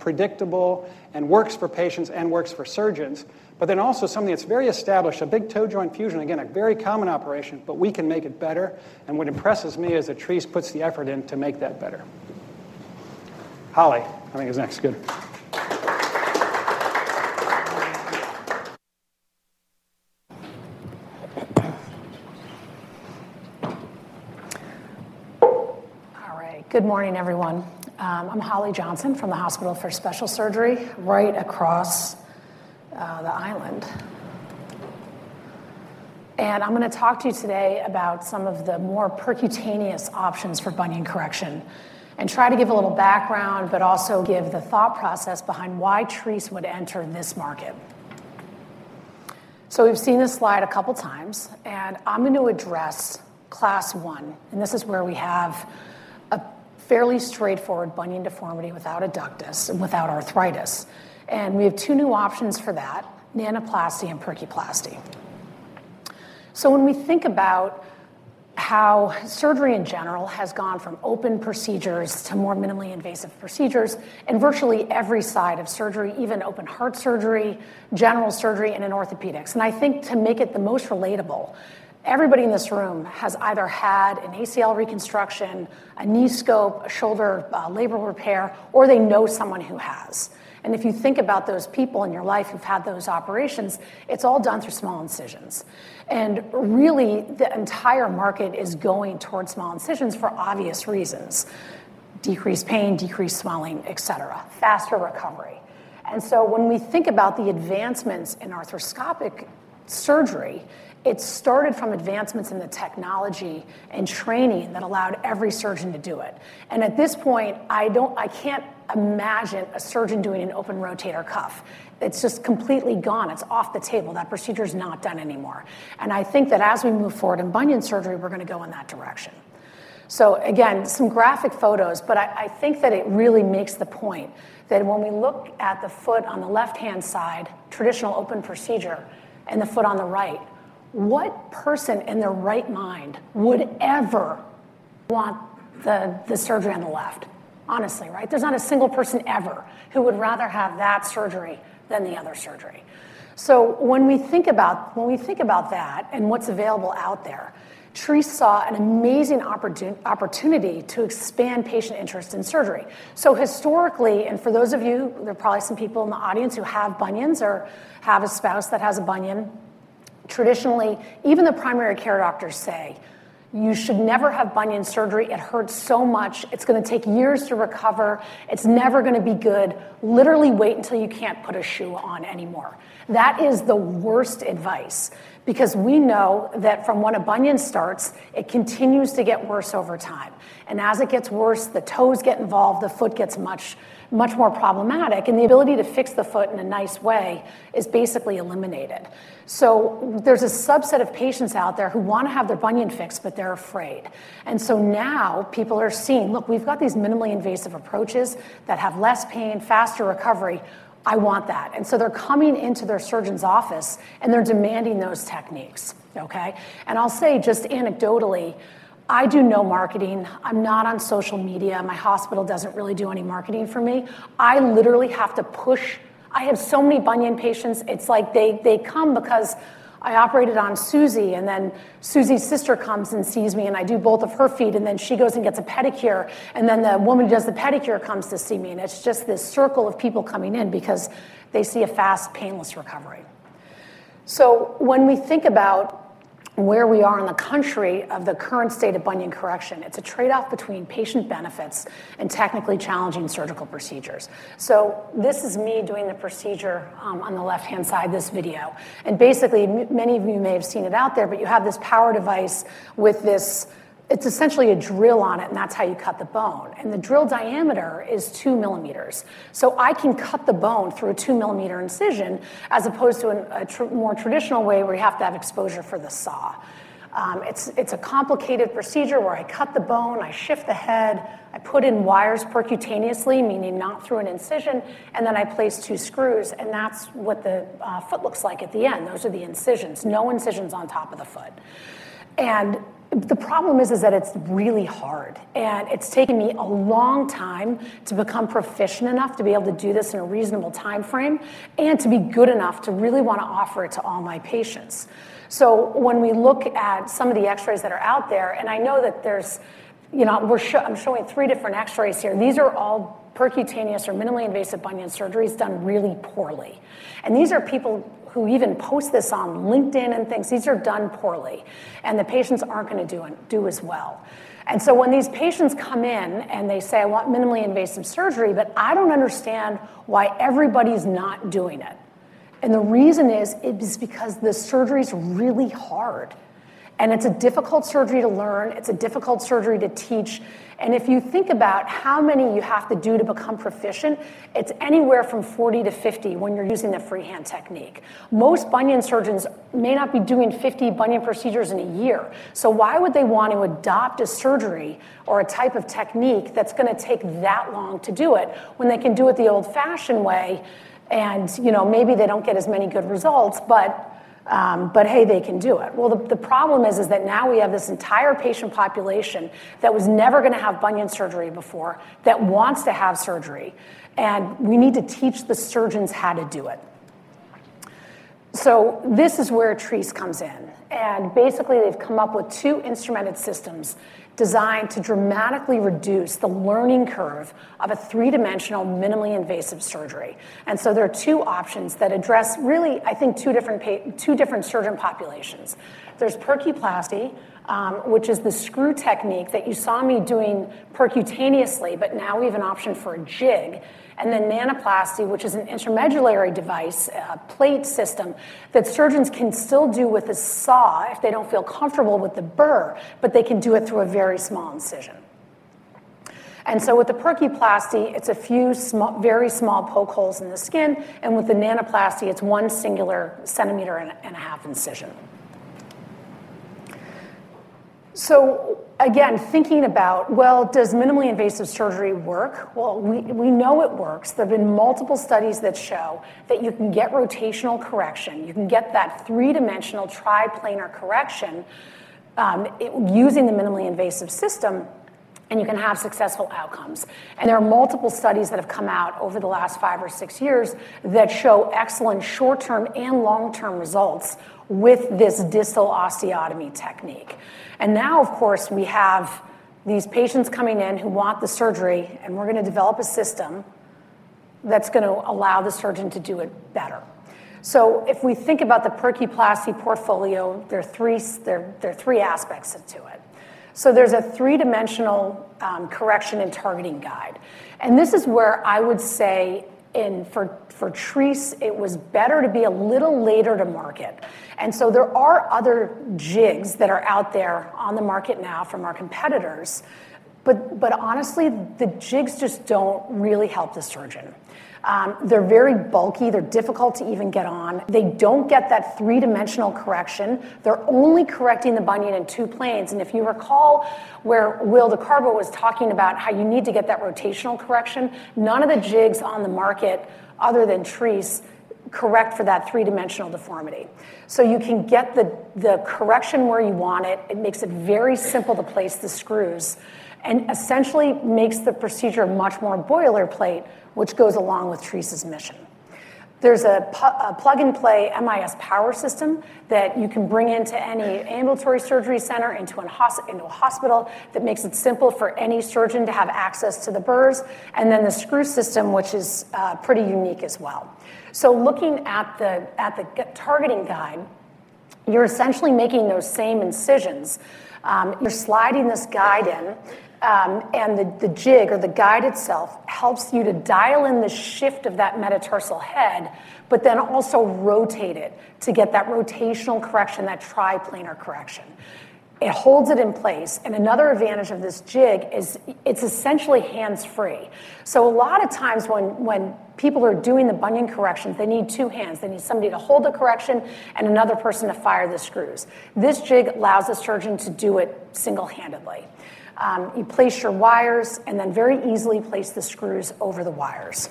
predictable, and works for patients and works for surgeons. There's also something that's very established, a big toe joint fusion. Again, a very common operation, but we can make it better. What impresses me is that Treace puts the effort in to make that better. Holly, I think is next. Good. Good morning, everyone. I'm Holly Johnson from the Hospital for Special Surgery right across the island. I'm going to talk to you today about some of the more percutaneous options for bunion correction and try to give a little background, but also give the thought process behind why Treace would enter this market. We've seen this slide a couple of times, and I'm going to address class one. This is where we have a fairly straightforward bunion deformity without adductus, without arthritis. We have two new options for that: Nanoplasty™ and Percuplasty™. When we think about how surgery in general has gone from open procedures to more minimally invasive procedures in virtually every side of surgery, even open heart surgery, general surgery, and in orthopedics, I think to make it the most relatable, everybody in this room has either had an ACL reconstruction, a knee scope, a shoulder labral repair, or they know someone who has. If you think about those people in your life who've had those operations, it's all done through small incisions. Really, the entire market is going towards small incisions for obvious reasons: decreased pain, decreased swelling, etc., faster recovery. When we think about the advancements in arthroscopic surgery, it started from advancements in the technology and training that allowed every surgeon to do it. At this point, I can't imagine a surgeon doing an open rotator cuff. It's just completely gone. It's off the table. That procedure is not done anymore. I think that as we move forward in bunion surgery, we're going to go in that direction. Some graphic photos, but I think that it really makes the point that when we look at the foot on the left-hand side, traditional open procedure, and the foot on the right, what person in their right mind would ever want the surgery on the left? Honestly, right? There's not a single person ever who would rather have that surgery than the other surgery. When we think about that and what's available out there, Treace saw an amazing opportunity to expand patient interest in surgery. Historically, and for those of you, there are probably some people in the audience who have bunions or have a spouse that has a bunion. Traditionally, even the primary care doctors say, "You should never have bunion surgery. It hurts so much. It's going to take years to recover. It's never going to be good." "Literally wait until you can't put a shoe on anymore." That is the worst advice because we know that from when a bunion starts, it continues to get worse over time. As it gets worse, the toes get involved, the foot gets much, much more problematic, and the ability to fix the foot in a nice way is basically eliminated. There is a subset of patients out there who want to have their bunion fixed, but they're afraid. Now people are seeing, "Look, we've got these minimally invasive approaches that have less pain, faster recovery. I want that." They are coming into their surgeon's office and they're demanding those techniques. I'll say just anecdotally, I do no marketing. I'm not on social media. My hospital doesn't really do any marketing for me. I literally have to push. I have so many bunion patients. It's like they come because I operated on Susie, and then Susie's sister comes and sees me, and I do both of her feet, and then she goes and gets a pedicure, and then the woman who does the pedicure comes to see me, and it's just this circle of people coming in because they see a fast, painless recovery. When we think about where we are in the country of the current state of bunion correction, it's a trade-off between patient benefits and technically challenging surgical procedures. This is me doing the procedure on the left-hand side, this video. Basically, many of you may have seen it out there, but you have this power device with this. It's essentially a drill on it, and that's how you cut the bone. The drill diameter is two millimeters. I can cut the bone through a 2 mm incision as opposed to a more traditional way where you have to have exposure for the saw. It's a complicated procedure where I cut the bone, I shift the head, I put in wires percutaneously, meaning not through an incision, and then I place two screws, and that's what the foot looks like at the end. Those are the incisions. No incisions on top of the foot. The problem is that it's really hard, and it's taken me a long time to become proficient enough to be able to do this in a reasonable timeframe and to be good enough to really want to offer it to all my patients. When we look at some of the X-rays that are out there, and I know that there's, you know, I'm showing three different X-rays here. These are all percutaneous or minimally invasive bunion surgeries done really poorly. These are people who even post this on LinkedIn and things. These are done poorly, and the patients aren't going to do as well. When these patients come in and they say, "I want minimally invasive surgery, but I don't understand why everybody's not doing it." The reason is because the surgery is really hard, and it's a difficult surgery to learn. It's a difficult surgery to teach. If you think about how many you have to do to become proficient, it's anywhere from 40-50 bunion when you're using the freehand technique. Most bunion surgeons may not be doing 50 bunion procedures in a year. Why would they want to adopt a surgery or a type of technique that's going to take that long to do it when they can do it the old-fashioned way? Maybe they don't get as many good results, but hey, they can do it. The problem is that now we have this entire patient population that was never going to have bunion surgery before that wants to have surgery, and we need to teach the surgeons how to do it. This is where Treace comes in. Basically, they've come up with two instrumented systems designed to dramatically reduce the learning curve of a three-dimensional minimally invasive surgery. There are two options that address really, I think, two different surgeon populations. There's Percuplasty™, which is the screw technique that you saw me doing percutaneously, but now we have an option for a jig, and then Nanoplasty™, which is an intramedullary device, a plate system that surgeons can still do with the saw if they don't feel comfortable with the burr, but they can do it through a very small incision. With the Percuplasty™, it's a few very small poke holes in the skin, and with the Nanoplasty™, it's one singular centimeter and a half incision. Again, thinking about, does minimally invasive surgery work? We know it works. There have been multiple studies that show that you can get rotational correction. You can get that three-dimensional triplanar correction using the minimally invasive system, and you can have successful outcomes. There are multiple studies that have come out over the last five or six years that show excellent short-term and long-term results with this distal osteotomy technique. Now, of course, we have these patients coming in who want the surgery, and we're going to develop a system that's going to allow the surgeon to do it better. If we think about the Percuplasty™ portfolio, there are three aspects to it. There's a three-dimensional correction and targeting guide. This is where I would say for Treace, it was better to be a little later to market. There are other jigs that are out there on the market now from our competitors, but honestly, the jigs just don't really help the surgeon. They're very bulky, they're difficult to even get on, and they don't get that three-dimensional correction. They're only correcting the bunion in two planes. If you recall where Will DeCarbo was talking about how you need to get that rotational correction, none of the jigs on the market other than Treace correct for that three-dimensional deformity. You can get the correction where you want it. It makes it very simple to place the screws and essentially makes the procedure much more boilerplate, which goes along with Treace's mission. There's a plug-and-play MIS power system that you can bring into any ambulatory surgery center, into a hospital. That makes it simple for any surgeon to have access to the burrs. Then the screw system, which is pretty unique as well. Looking at the targeting guide, you're essentially making those same incisions. You're sliding this guide in, and the jig or the guide itself helps you to dial in the shift of that metatarsal head, but then also rotate it to get that rotational correction, that triplanar correction. It holds it in place. Another advantage of this jig is it's essentially hands-free. A lot of times when people are doing the bunion correction, they need two hands. They need somebody to hold the correction and another person to fire the screws. This jig allows a surgeon to do it single-handedly. You place your wires and then very easily place the screws over the wires.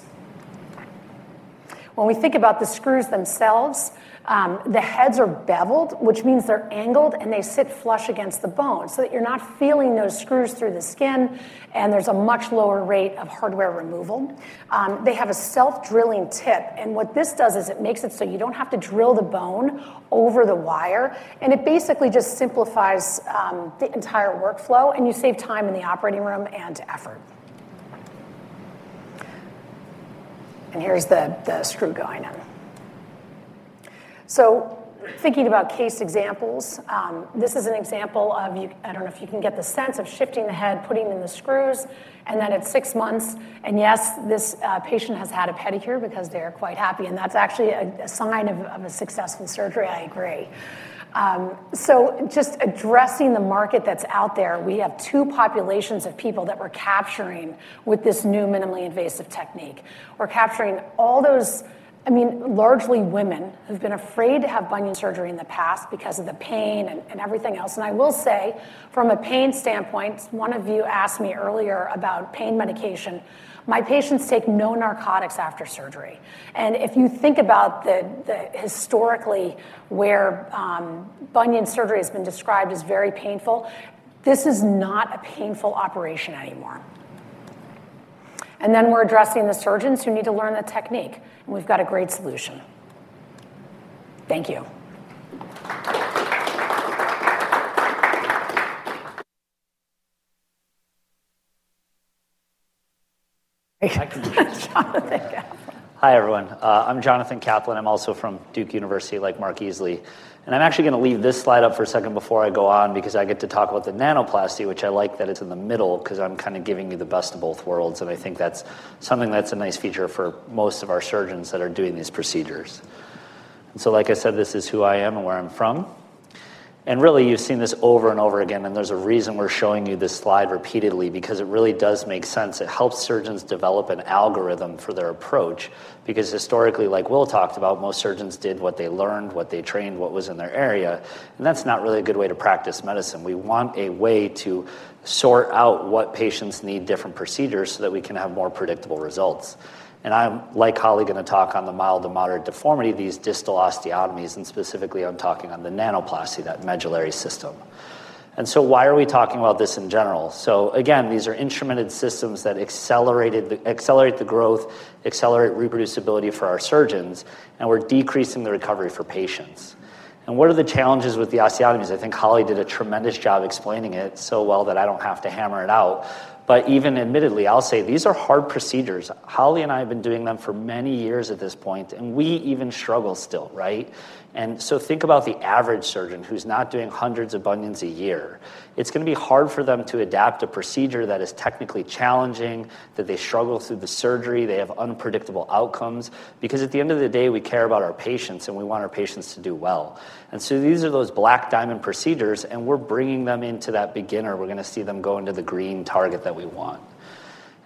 When we think about the screws themselves, the heads are beveled, which means they're angled and they sit flush against the bone so that you're not feeling those screws through the skin, and there's a much lower rate of hardware removal. They have a self-drilling tip. What this does is it makes it so you don't have to drill the bone over the wire, and it basically just simplifies the entire workflow, and you save time in the operating room and effort. Here's the screw going in. Thinking about case examples, this is an example of, I don't know if you can get the sense of shifting the head, putting in the screws, and then at six months, yes, this patient has had a pedicure because they're quite happy, and that's actually a sign of a successful surgery. I agree. Just addressing the market that's out there, we have two populations of people that we're capturing with this new minimally invasive technique. We're capturing all those, I mean, largely women who've been afraid to have bunion surgery in the past because of the pain and everything else. I will say, from a pain standpoint, one of you asked me earlier about pain medication. My patients take no narcotics after surgery. If you think about historically where bunion surgery has been described as very painful, this is not a painful operation anymore. We're addressing the surgeons who need to learn the technique, and we've got a great solution. Thank you. Hi, everyone. I'm Jonathan Kaplan. I'm also from Duke University, like Mark Easley. I'm actually going to leave this slide up for a second before I go on because I get to talk about the Nanoplasty™, which I like that it's in the middle because I'm kind of giving you the best of both worlds. I think that's something that's a nice feature for most of our surgeons that are doing these procedures. Like I said, this is who I am and where I'm from. You've seen this over and over again. There's a reason we're showing you this slide repeatedly because it really does make sense. It helps surgeons develop an algorithm for their approach because historically, like Will talked about, most surgeons did what they learned, what they trained, what was in their area. That's not really a good way to practice medicine. We want a way to sort out what patients need different procedures so that we can have more predictable results. I'm, like Holly, going to talk on the mild to moderate deformity, these distal osteotomies, and specifically I'm talking on the Nanoplasty™, that medullary system. Why are we talking about this in general? Again, these are instrumented systems that accelerate the growth, accelerate reproducibility for our surgeons, and we're decreasing the recovery for patients. What are the challenges with the osteotomies? I think Holly did a tremendous job explaining it so well that I don't have to hammer it out. Even admittedly, I'll say these are hard procedures. Holly and I have been doing them for many years at this point, and we even struggle still, right? Think about the average surgeon who's not doing hundreds of bunions a year. It's going to be hard for them to adapt a procedure that is technically challenging, that they struggle through the surgery, they have unpredictable outcomes because at the end of the day, we care about our patients and we want our patients to do well. These are those black diamond procedures, and we're bringing them into that beginner. We're going to see them go into the green target that we want.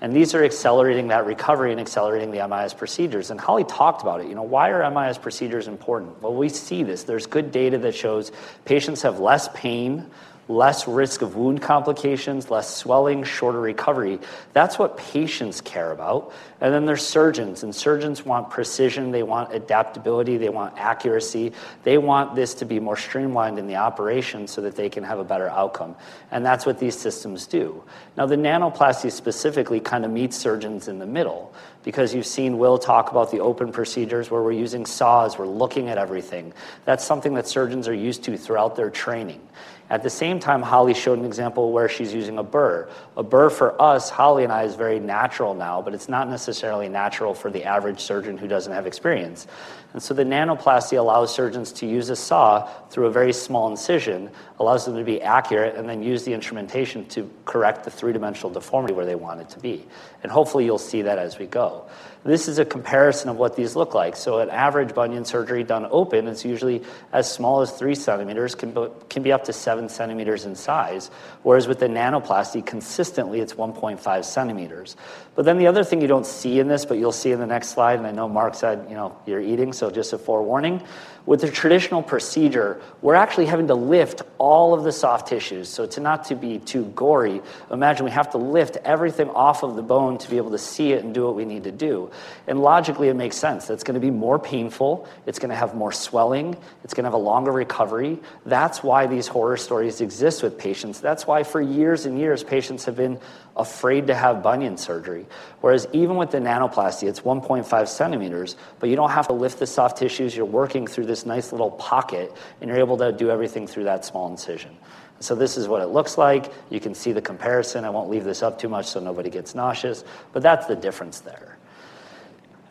These are accelerating that recovery and accelerating the MIS procedures. Holly talked about it. Why are MIS procedures important? We see this. There's good data that shows patients have less pain, less risk of wound complications, less swelling, shorter recovery. That's what patients care about. There are surgeons, and surgeons want precision, they want adaptability, they want accuracy, they want this to be more streamlined in the operation so that they can have a better outcome. That is what these systems do. The Nanoplasty™ specifically kind of meets surgeons in the middle because you've seen Will talk about the open procedures where we're using saws, we're looking at everything. That is something that surgeons are used to throughout their training. At the same time, Holly showed an example where she's using a burr. A burr for us, Holly and I, is very natural now, but it's not necessarily natural for the average surgeon who doesn't have experience. The Nanoplasty™ allows surgeons to use a saw through a very small incision, allows them to be accurate, and then use the instrumentation to correct the three-dimensional deformity where they want it to be. Hopefully, you'll see that as we go. This is a comparison of what these look like. An average bunion surgery done open is usually as small as three centimeters, can be up to seven centimeters in size, whereas with the Nanoplasty™, consistently, it's 1.5 cm. The other thing you don't see in this, but you'll see in the next slide, and I know Mark said, you know, you're eating, so just a forewarning. With a traditional procedure, we're actually having to lift all of the soft tissues. To not be too gory, imagine we have to lift everything off of the bone to be able to see it and do what we need to do. Logically, it makes sense. That is going to be more painful. It is going to have more swelling. It is going to have a longer recovery. That is why these horror stories exist with patients. That is why for years and years, patients have been afraid to have bunion surgery. Even with the Nanoplasty™, it's 1.5 cm, but you don't have to lift the soft tissues. You're working through this nice little pocket, and you're able to do everything through that small incision. This is what it looks like. You can see the comparison. I won't leave this up too much so nobody gets nauseous, but that is the difference there.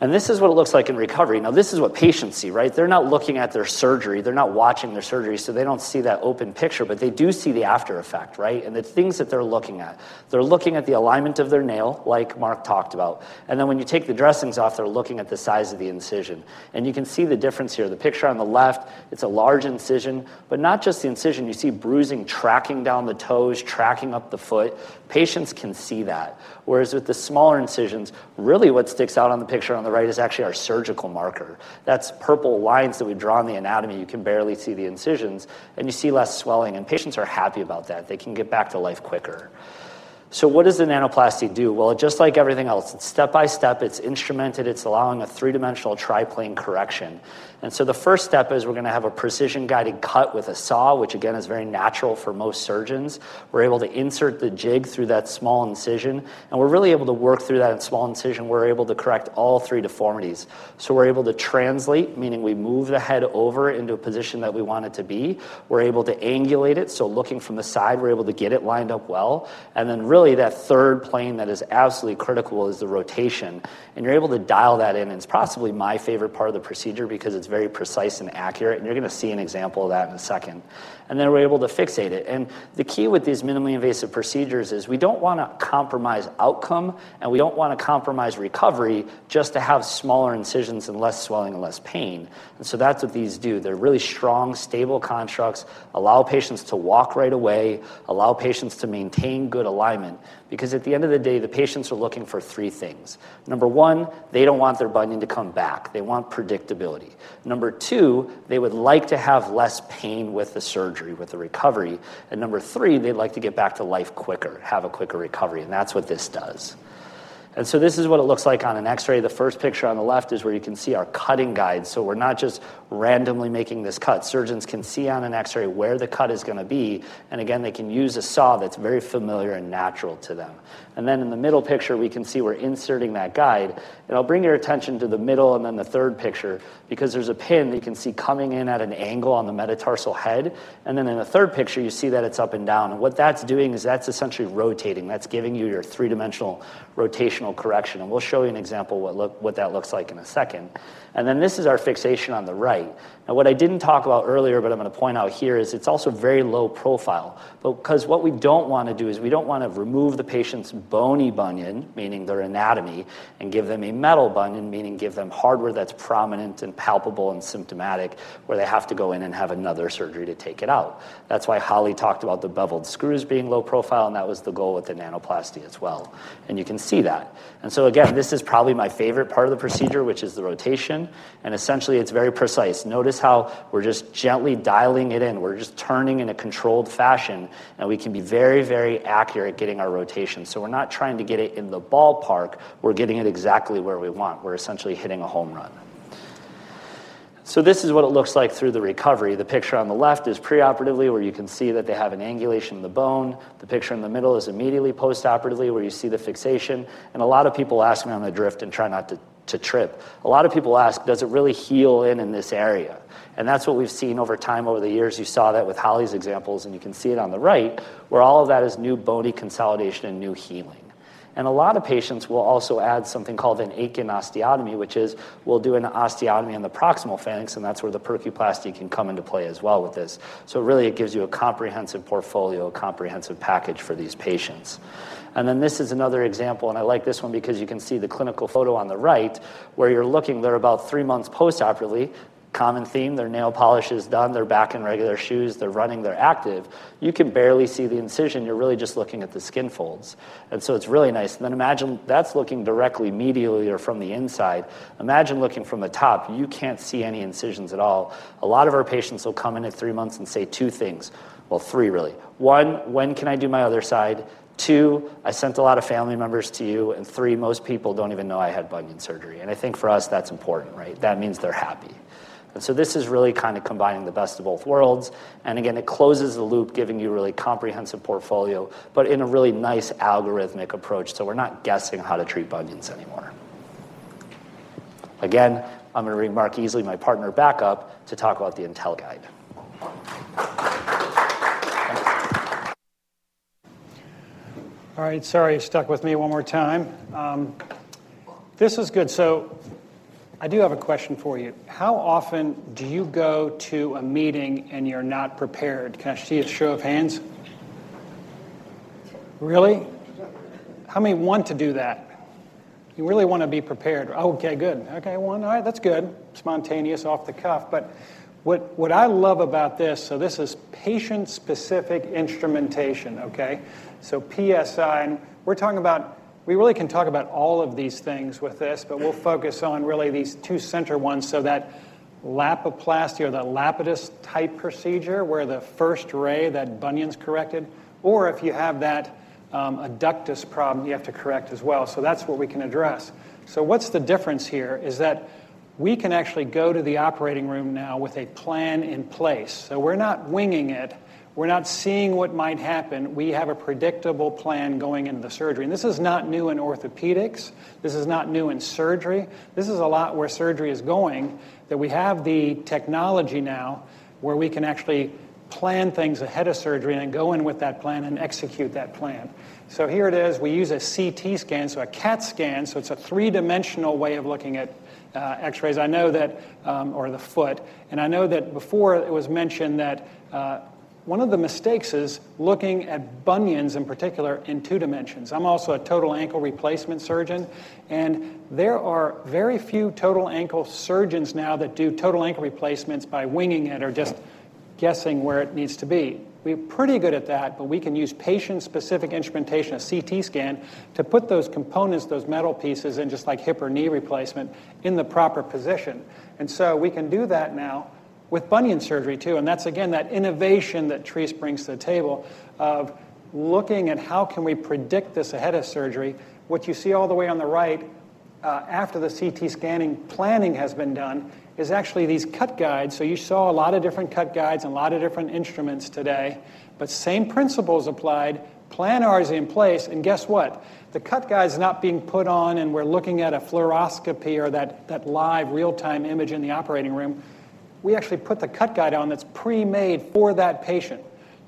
This is what it looks like in recovery. This is what patients see, right? They're not looking at their surgery. They're not watching their surgery, so they don't see that open picture, but they do see the after effect, right? The things that they're looking at, they're looking at the alignment of their nail, like Mark talked about. When you take the dressings off, they're looking at the size of the incision. You can see the difference here. The picture on the left, it's a large incision, but not just the incision. You see bruising tracking down the toes, tracking up the foot. Patients can see that. With the smaller incisions, really what sticks out on the picture on the right is actually our surgical marker. That's purple lines that we draw in the anatomy. You can barely see the incisions, and you see less swelling. Patients are happy about that. They can get back to life quicker. What does the Nanoplasty™ do? Just like everything else, it's step by step. It's instrumented. It's allowing a three-dimensional triplanar correction. The first step is we're going to have a precision-guided cut with a saw, which again is very natural for most surgeons. We're able to insert the jig through that small incision, and we're really able to work through that small incision. We're able to correct all three deformities. We're able to translate, meaning we move the head over into a position that we want it to be. We're able to angulate it. Looking from the side, we're able to get it lined up well. That third plane that is absolutely critical is the rotation. You're able to dial that in. It's possibly my favorite part of the procedure because it's very precise and accurate. You're going to see an example of that in a second. We're able to fixate it. The key with these minimally invasive procedures is we don't want to compromise outcome, and we don't want to compromise recovery just to have smaller incisions and less swelling and less pain. That's what these do. They're really strong, stable constructs, allow patients to walk right away, allow patients to maintain good alignment because at the end of the day, the patients are looking for three things. Number one, they don't want their bunion to come back. They want predictability. Number two, they would like to have less pain with the surgery, with the recovery. Number three, they'd like to get back to life quicker, have a quicker recovery. That's what this does. This is what it looks like on an X-ray. The first picture on the left is where you can see our cutting guide. We're not just randomly making this cut. Surgeons can see on an X-ray where the cut is going to be. They can use a saw that's very familiar and natural to them. In the middle picture, we can see we're inserting that guide. I'll bring your attention to the middle and then the third picture because there's a pin that you can see coming in at an angle on the metatarsal head. In the third picture, you see that it's up and down. What that's doing is that's essentially rotating. That's giving you your three-dimensional rotational correction. We'll show you an example of what that looks like in a second. This is our fixation on the right. What I didn't talk about earlier, but I'm going to point out here, is it's also very low profile. What we don't want to do is we don't want to remove the patient's bony bunion, meaning their anatomy, and give them a metal bunion, meaning give them hardware that's prominent and palpable and symptomatic where they have to go in and have another surgery to take it out. That's why Holly Johnson talked about the beveled screws being low profile, and that was the goal with the Nanoplasty™ as well. You can see that. This is probably my favorite part of the procedure, which is the rotation. Essentially, it's very precise. Notice how we're just gently dialing it in. We're just turning in a controlled fashion, and we can be very, very accurate at getting our rotation. We're not trying to get it in the ballpark. We're getting it exactly where we want. We're essentially hitting a home run. This is what it looks like through the recovery. The picture on the left is preoperatively where you can see that they have an angulation in the bone. The picture in the middle is immediately postoperatively where you see the fixation. A lot of people ask me on the drift and try not to trip. A lot of people ask, does it really heal in this area? That's what we've seen over time over the years. You saw that with Dr. Holly Johnson's examples, and you can see it on the right where all of that is new bony consolidation and new healing. A lot of patients will also add something called an Aiken osteotomy, which is we'll do an osteotomy on the proximal phalanx, and that's where the Percuplasty™ can come into play as well with this. It gives you a comprehensive portfolio, a comprehensive package for these patients. This is another example, and I like this one because you can see the clinical photo on the right where you're looking. They're about three months postoperatively. Common theme, their nail polish is done, they're back in regular shoes, they're running, they're active. You can barely see the incision, you're really just looking at the skin folds, and it's really nice. Imagine that's looking directly medially or from the inside. Imagine looking from the top, you can't see any incisions at all. A lot of our patients will come in at three months and say two things. Three, really. One, when can I do my other side? Two, I sent a lot of family members to you. Three, most people don't even know I had bunion surgery. I think for us, that's important, right? That means they're happy. This is really kind of combining the best of both worlds. It closes the loop, giving you a really comprehensive portfolio, but in a really nice algorithmic approach. We're not guessing how to treat bunions anymore. I'm going to bring Dr. Mark Easley, my partner, back up to talk about the IntelliGuide PSI. All right. Sorry, you stuck with me one more time. This is good. I do have a question for you. How often do you go to a meeting and you're not prepared? Can I see a show of hands? Really? How many want to do that? You really want to be prepared. Oh, okay. Good. Okay. One. All right. That's good. Spontaneous, off the cuff. What I love about this, this is patient-specific instrumentation. Okay. PSI. We're talking about, we really can talk about all of these things with this, but we'll focus on really these two center ones. That Lapiplasty or the Lapidus type procedure where the first ray, that bunion's corrected, or if you have that adductus problem you have to correct as well. That's what we can address. The difference here is that we can actually go to the operating room now with a plan in place. We're not winging it. We're not seeing what might happen. We have a predictable plan going into the surgery. This is not new in orthopedics. This is not new in surgery. This is a lot where surgery is going, that we have the technology now where we can actually plan things ahead of surgery and then go in with that plan and execute that plan. Here it is. We use a CT scan, so a CAT scan. It's a three-dimensional way of looking at X-rays. I know that, or the foot. I know that before it was mentioned that one of the mistakes is looking at bunions in particular in two dimensions. I'm also a total ankle replacement surgeon. There are very few total ankle surgeons now that do total ankle replacements by winging it or just guessing where it needs to be. We're pretty good at that, but we can use patient-specific instrumentation, a CT scan, to put those components, those metal pieces, just like hip or knee replacement, in the proper position. We can do that now with bunion surgery too. That's, again, that innovation that Treace brings to the table of looking at how can we predict this ahead of surgery. What you see all the way on the right after the CT scanning planning has been done is actually these cut guides. You saw a lot of different cut guides and a lot of different instruments today, but same principles applied. Plan R is in place. Guess what? The cut guide is not being put on and we're looking at a fluoroscopy or that live real-time image in the operating room. We actually put the cut guide on that's pre-made for that patient.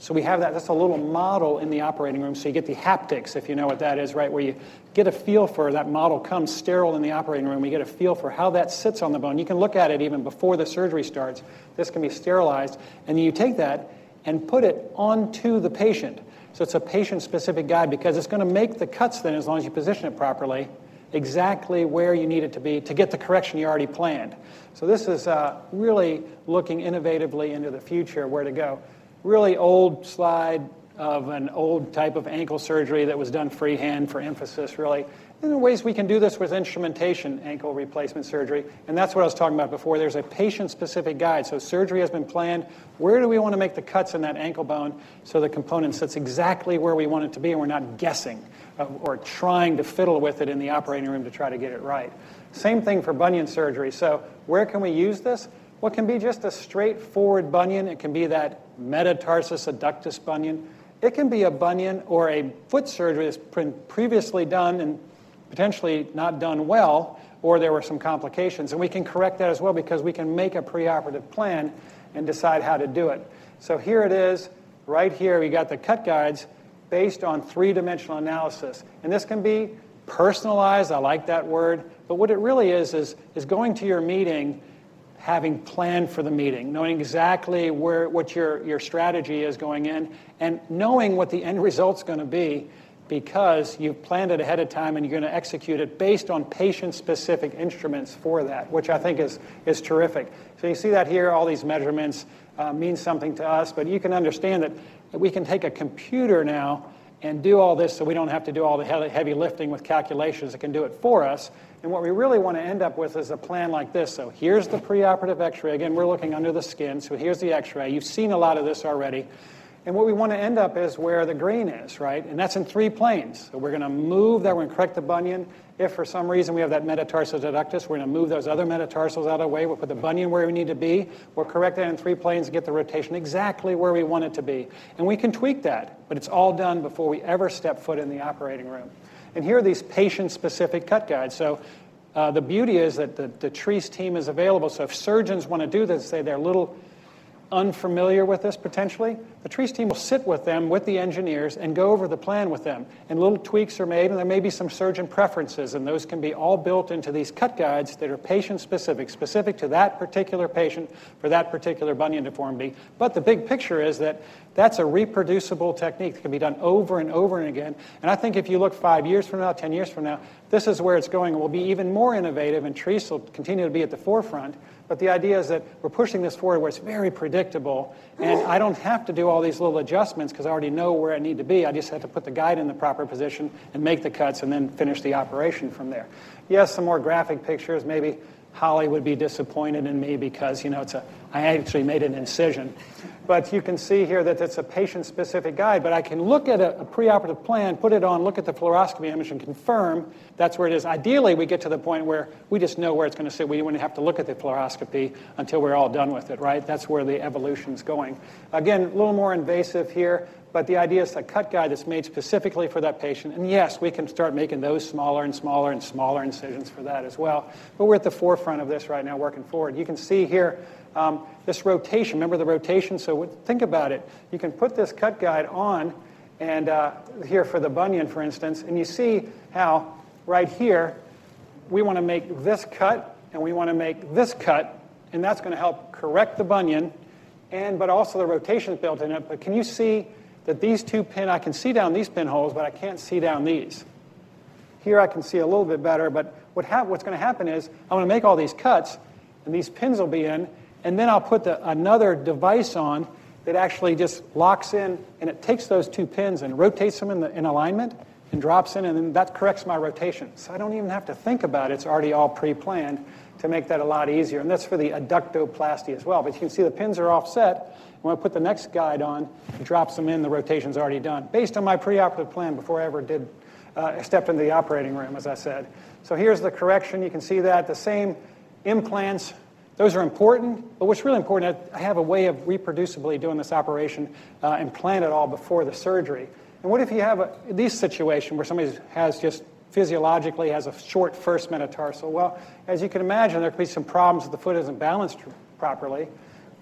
We have that. That's a little model in the operating room. You get the haptics, if you know what that is, right? Where you get a feel for that model, comes sterile in the operating room. You get a feel for how that sits on the bone. You can look at it even before the surgery starts. This can be sterilized. Then you take that and put it onto the patient. It's a patient-specific guide because it's going to make the cuts then, as long as you position it properly, exactly where you need it to be to get the correction you already planned. This is really looking innovatively into the future, where to go. Really old slide of an old type of ankle surgery that was done freehand for emphasis, really. There are ways we can do this with instrumentation, ankle replacement surgery. That's what I was talking about before. There's a patient-specific guide. Surgery has been planned. Where do we want to make the cuts in that ankle bone so the component sits exactly where we want it to be and we're not guessing or trying to fiddle with it in the operating room to try to get it right. Same thing for bunion surgery. Where can we use this? It can be just a straightforward bunion. It can be that metatarsus adductus bunion. It can be a bunion or a foot surgery that's been previously done and potentially not done well, or there were some complications. We can correct that as well because we can make a preoperative plan and decide how to do it. Here it is. Right here, we got the cut guides based on three-dimensional analysis. This can be personalized. I like that word. What it really is, is going to your meeting, having planned for the meeting, knowing exactly what your strategy is going in, and knowing what the end result is going to be because you've planned it ahead of time and you're going to execute it based on patient-specific instruments for that, which I think is terrific. You see that here, all these measurements mean something to us, but you can understand that we can take a computer now and do all this so we don't have to do all the heavy lifting with calculations. It can do it for us. What we really want to end up with is a plan like this. Here's the preoperative X-ray. Again, we're looking under the skin. Here's the X-ray. You've seen a lot of this already. What we want to end up is where the green is, right? That's in three planes. We're going to move that. We're going to correct the bunion. If for some reason we have that metatarsus adductus, we're going to move those other metatarsals out of the way. We'll put the bunion where we need to be. We'll correct that in three planes, get the rotation exactly where we want it to be. We can tweak that, but it's all done before we ever step foot in the operating room. Here are these patient-specific cut guides. The beauty is that the Treace team is available. If surgeons want to do this, say they're a little unfamiliar with this, potentially, the Treace team will sit with them with the engineers and go over the plan with them. Little tweaks are made, and there may be some surgeon preferences, and those can be all built into these cut guides that are patient-specific, specific to that particular patient or that particular bunion deformity. The big picture is that that's a reproducible technique that can be done over and over again. I think if you look five years from now, ten years from now, this is where it's going. It will be even more innovative, and Treace will continue to be at the forefront. The idea is that we're pushing this forward where it's very predictable. I don't have to do all these little adjustments because I already know where I need to be. I just have to put the guide in the proper position and make the cuts and then finish the operation from there. Yes, some more graphic pictures. Maybe Holly would be disappointed in me because, you know, I actually made an incision. You can see here that it's a patient-specific guide, but I can look at a preoperative plan, put it on, look at the fluoroscopy image, and confirm that's where it is. Ideally, we get to the point where we just know where it's going to sit. We wouldn't have to look at the fluoroscopy until we're all done with it, right? That's where the evolution is going. Again, a little more invasive here, but the idea is the cut guide is made specifically for that patient. Yes, we can start making those smaller and smaller and smaller incisions for that as well. We're at the forefront of this right now working forward. You can see here this rotation. Remember the rotation? Think about it. You can put this cut guide on and here for the bunion, for instance, and you see how right here we want to make this cut and we want to make this cut, and that's going to help correct the bunion, but also the rotation built in it. Can you see that these two pins? I can see down these pinholes, but I can't see down these. Here I can see a little bit better, but what's going to happen is I'm going to make all these cuts, and these pins will be in, and then I'll put another device on that actually just locks in, and it takes those two pins and rotates them in alignment and drops in, and then that corrects my rotation. I don't even have to think about it. It's already all pre-planned to make that a lot easier. That's for the Adductoplasty® as well. You can see the pins are offset. I want to put the next guide on. He drops them in. The rotation is already done based on my preoperative plan before I ever stepped into the operating room, as I said. Here's the correction. You can see that the same implants. Those are important, but what's really important, I have a way of reproducibly doing this operation and plan it all before the surgery. What if you have a situation where somebody physiologically has a short first metatarsal? As you can imagine, there could be some problems if the foot isn't balanced properly.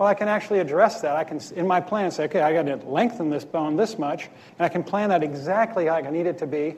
I can actually address that. I can, in my plan, say, okay, I got to lengthen this bone this much, and I can plan that exactly how I need it to be.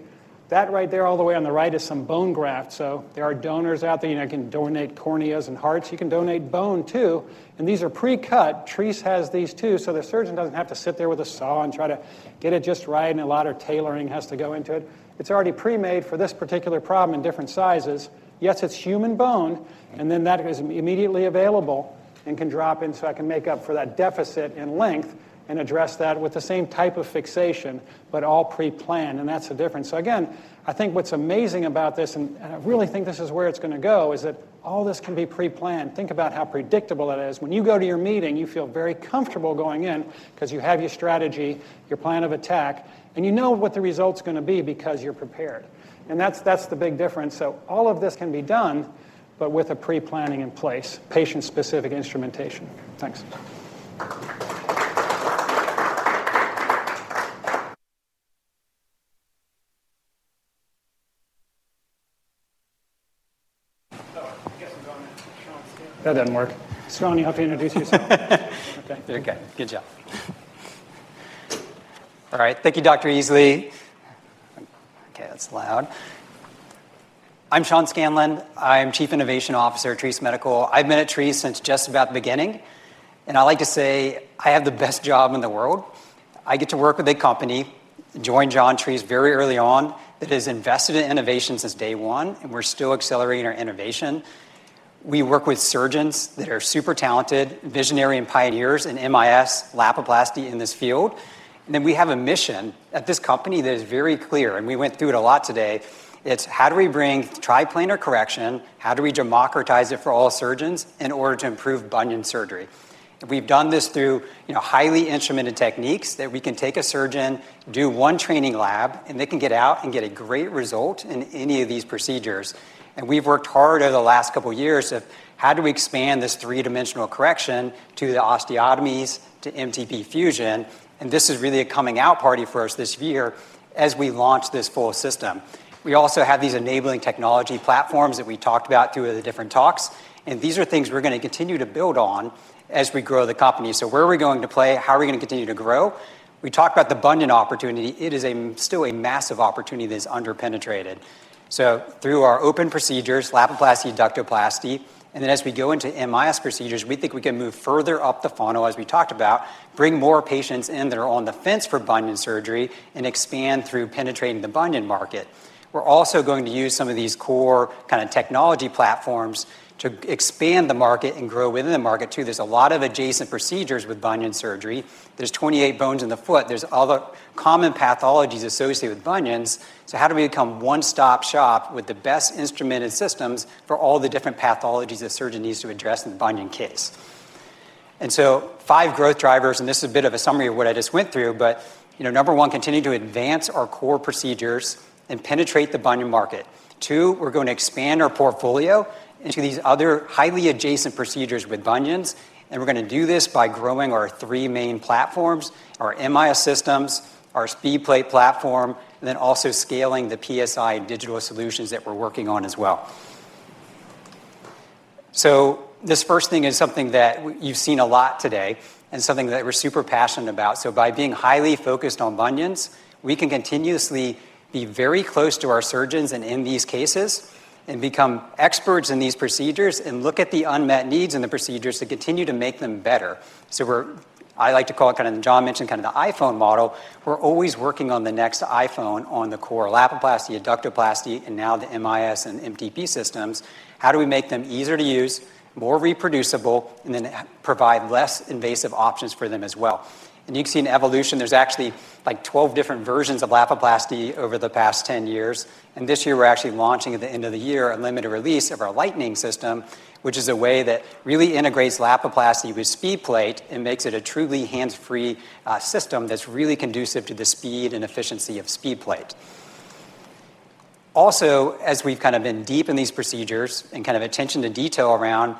That right there all the way on the right is some bone graft. There are donors out there. You know, I can donate corneas and hearts. You can donate bone too. These are pre-cut. Treace has these too. The surgeon doesn't have to sit there with a saw and try to get it just right, and a lot of tailoring has to go into it. It's already pre-made for this particular problem in different sizes. Yes, it's human bone. That is immediately available and can drop in so I can make up for that deficit in length and address that with the same type of fixation, but all pre-planned. That's the difference. I think what's amazing about this, and I really think this is where it's going to go, is that all this can be pre-planned. Think about how predictable that is. When you go to your meeting, you feel very comfortable going in because you have your strategy, your plan of attack, and you know what the result is going to be because you're prepared. That's the big difference. All of this can be done, but with a pre-planning in place, patient-specific instrumentation. Thanks. That didn't work. I'll need to introduce yourself. Okay. Good job. All right. Thank you, Dr. Easley. Okay, that's loud. I'm Sean Scanlon. I'm Chief Innovation Officer at Treace Medical. I've been at Treace since just about the beginning. I like to say I have the best job in the world. I get to work with a company, join John Treace very early on that has invested in innovation since day one, and we're still accelerating our innovation. We work with surgeons that are super talented, visionary, and pioneers in minimally invasive surgery Lapiplasty in this field. We have a mission at this company that is very clear, and we went through it a lot today. It's how do we bring triplanar correction? How do we democratize it for all surgeons in order to improve bunion surgery? We've done this through highly instrumented techniques that we can take a surgeon, do one training lab, and they can get out and get a great result in any of these procedures. We've worked hard over the last couple of years on how do we expand this three-dimensional correction to the osteotomies, to MTP fusion. This is really a coming out party for us this year as we launch this full system. We also have these enabling technology platforms that we talked about through the different talks. These are things we're going to continue to build on as we grow the company. Where are we going to play? How are we going to continue to grow? We talked about the bunion opportunity. It is still a massive opportunity that is underpenetrated. Through our open procedures, Lapiplasty, Adductoplasty, and then as we go into minimally invasive surgery procedures, we think we can move further up the funnel, as we talked about, bring more patients in that are on the fence for bunion surgery and expand through penetrating the bunion market. We're also going to use some of these core kind of technology platforms to expand the market and grow within the market too. There's a lot of adjacent procedures with bunion surgery. There are 28 bones in the foot. There are all the common pathologies associated with bunions. How do we become one-stop shop with the best instrumented systems for all the different pathologies a surgeon needs to address in the bunion case? Five growth drivers, and this is a bit of a summary of what I just went through, but number one, continue to advance our core procedures and penetrate the bunion market. Two, we're going to expand our portfolio into these other highly adjacent procedures with bunions. We are going to do this by growing our three main platforms: our MIS systems, our SpeedPlate™ platform, and scaling the PSI digital solutions that we're working on as well. This first thing is something that you've seen a lot today and something that we're super passionate about. By being highly focused on bunions, we can continuously be very close to our surgeons and MVs cases, become experts in these procedures, and look at the unmet needs in the procedures to continue to make them better. I like to call it kind of, and John mentioned kind of the iPhone model. We're always working on the next iPhone on the core Lapiplasty®, Adductoplasty®, and now the MIS and MTP systems. How do we make them easier to use, more reproducible, and then provide less invasive options for them as well? You can see an evolution. There are actually like 12 different versions of Lapiplasty® over the past 10 years. This year we're actually launching at the end of the year a limited release of our Lightning system, which is a way that really integrates Lapiplasty® with SpeedPlate™ and makes it a truly hands-free system that's really conducive to the speed and efficiency of SpeedPlate™. Also, as we've been deep in these procedures and paying attention to detail around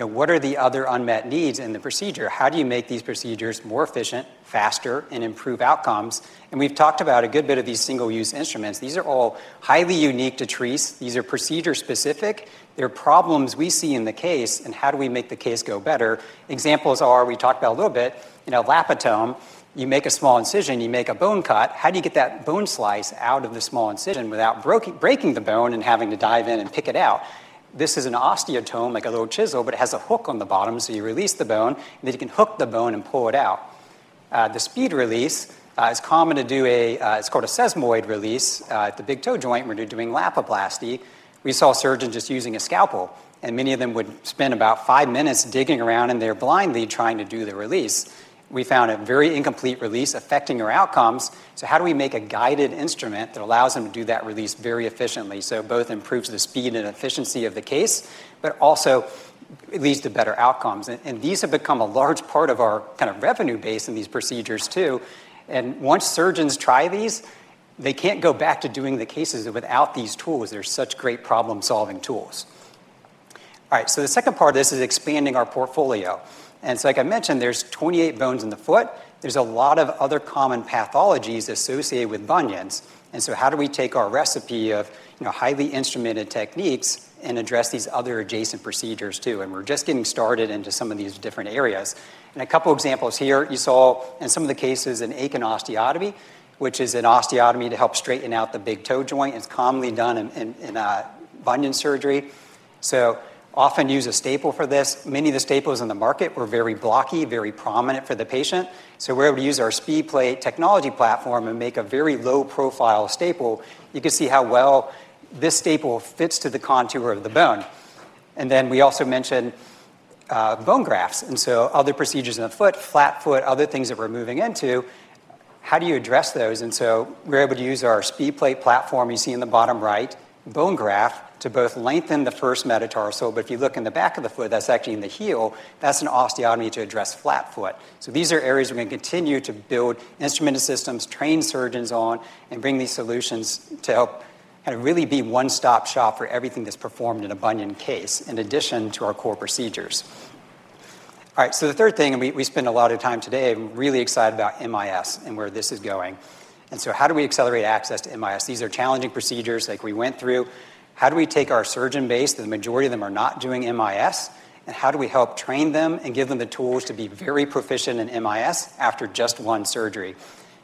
what are the other unmet needs in the procedure, how do you make these procedures more efficient, faster, and improve outcomes? We've talked about a good bit of these single-use instruments. These are all highly unique to Treace. These are procedure specific. They're problems we see in the case and how do we make the case go better? Examples are, we talked about a little bit, you know, laparotome. You make a small incision, you make a bone cut. How do you get that bone slice out of the small incision without breaking the bone and having to dive in and pick it out? This is an osteotome, like a little chisel, but it has a hook on the bottom. You release the bone and then you can hook the bone and pull it out. The speed release, it's common to do a, it's called a sesamoid release at the big toe joint when you're doing Lapiplasty®. We saw surgeons just using a scalpel, and many of them would spend about five minutes digging around in there blindly trying to do the release. We found a very incomplete release affecting our outcomes. How do we make a guided instrument that allows them to do that release very efficiently? Both improves the speed and efficiency of the case, but also leads to better outcomes. These have become a large part of our revenue base in these procedures too. Once surgeons try these, they can't go back to doing the cases without these tools. They're such great problem-solving tools. The second part of this is expanding our portfolio. Like I mentioned, there are 28 bones in the foot. There are a lot of other common pathologies associated with bunions. How do we take our recipe of highly instrumented techniques and address these other adjacent procedures too? We're just getting started into some of these different areas. A couple of examples here, you saw in some of the cases an Aiken osteotomy, which is an osteotomy to help straighten out the big toe joint. It's commonly done in bunion surgery. Often use a staple for this. Many of the staples in the market were very blocky, very prominent for the patient. We're able to use our SpeedPlate technology platform and make a very low-profile staple. You can see how well this staple fits to the contour of the bone. We also mentioned bone grafts. Other procedures in the foot, flat foot, other things that we're moving into, how do you address those? We're able to use our SpeedPlate platform you see in the bottom right, bone graft to both lengthen the first metatarsal. If you look in the back of the foot, that's actually in the heel, that's an osteotomy to address flat foot. These are areas we're going to continue to build instrumented systems, train surgeons on, and bring these solutions to help kind of really be one-stop shop for everything that's performed in a bunion case in addition to our core procedures. All right, the third thing, and we spent a lot of time today, I'm really excited about MIS and where this is going. How do we accelerate access to MIS? These are challenging procedures like we went through. How do we take our surgeon base, the majority of them are not doing MIS, and how do we help train them and give them the tools to be very proficient in MIS after just one surgery?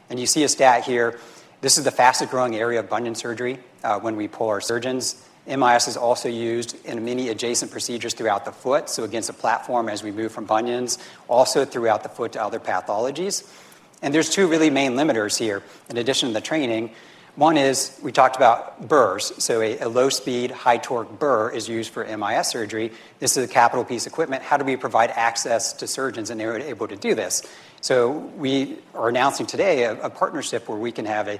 You see a stat here. This is the fastest growing area of bunion surgery when we pull our surgeons. MIS is also used in many adjacent procedures throughout the foot. Against a platform as we move from bunions, also throughout the foot to other pathologies. There are two really main limiters here in addition to the training. One is we talked about burrs. A low-speed, high-torque burr is used for MIS surgery. This is a capital piece of equipment. How do we provide access to surgeons and they're able to do this? We are announcing today a partnership where we can have a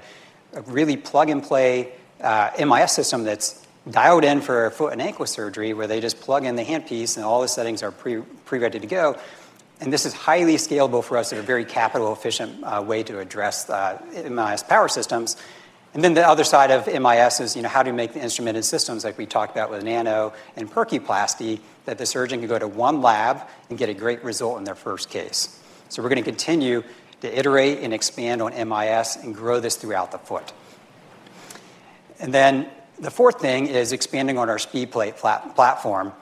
really plug-and-play MIS system that's dialed in for a foot and ankle surgery where they just plug in the hand piece and all the settings are pre-ready to go. This is highly scalable for us to have a very capital-efficient way to address minimally invasive surgery (MIS) power systems. The other side of MIS is, you know, how do you make the instrumented systems like we talked about with Nano and Percuplasty™ that the surgeon can go to one lab and get a great result in their first case. We are going to continue to iterate and expand on MIS and grow this throughout the foot. The fourth thing is expanding on our SpeedPlate™ platform.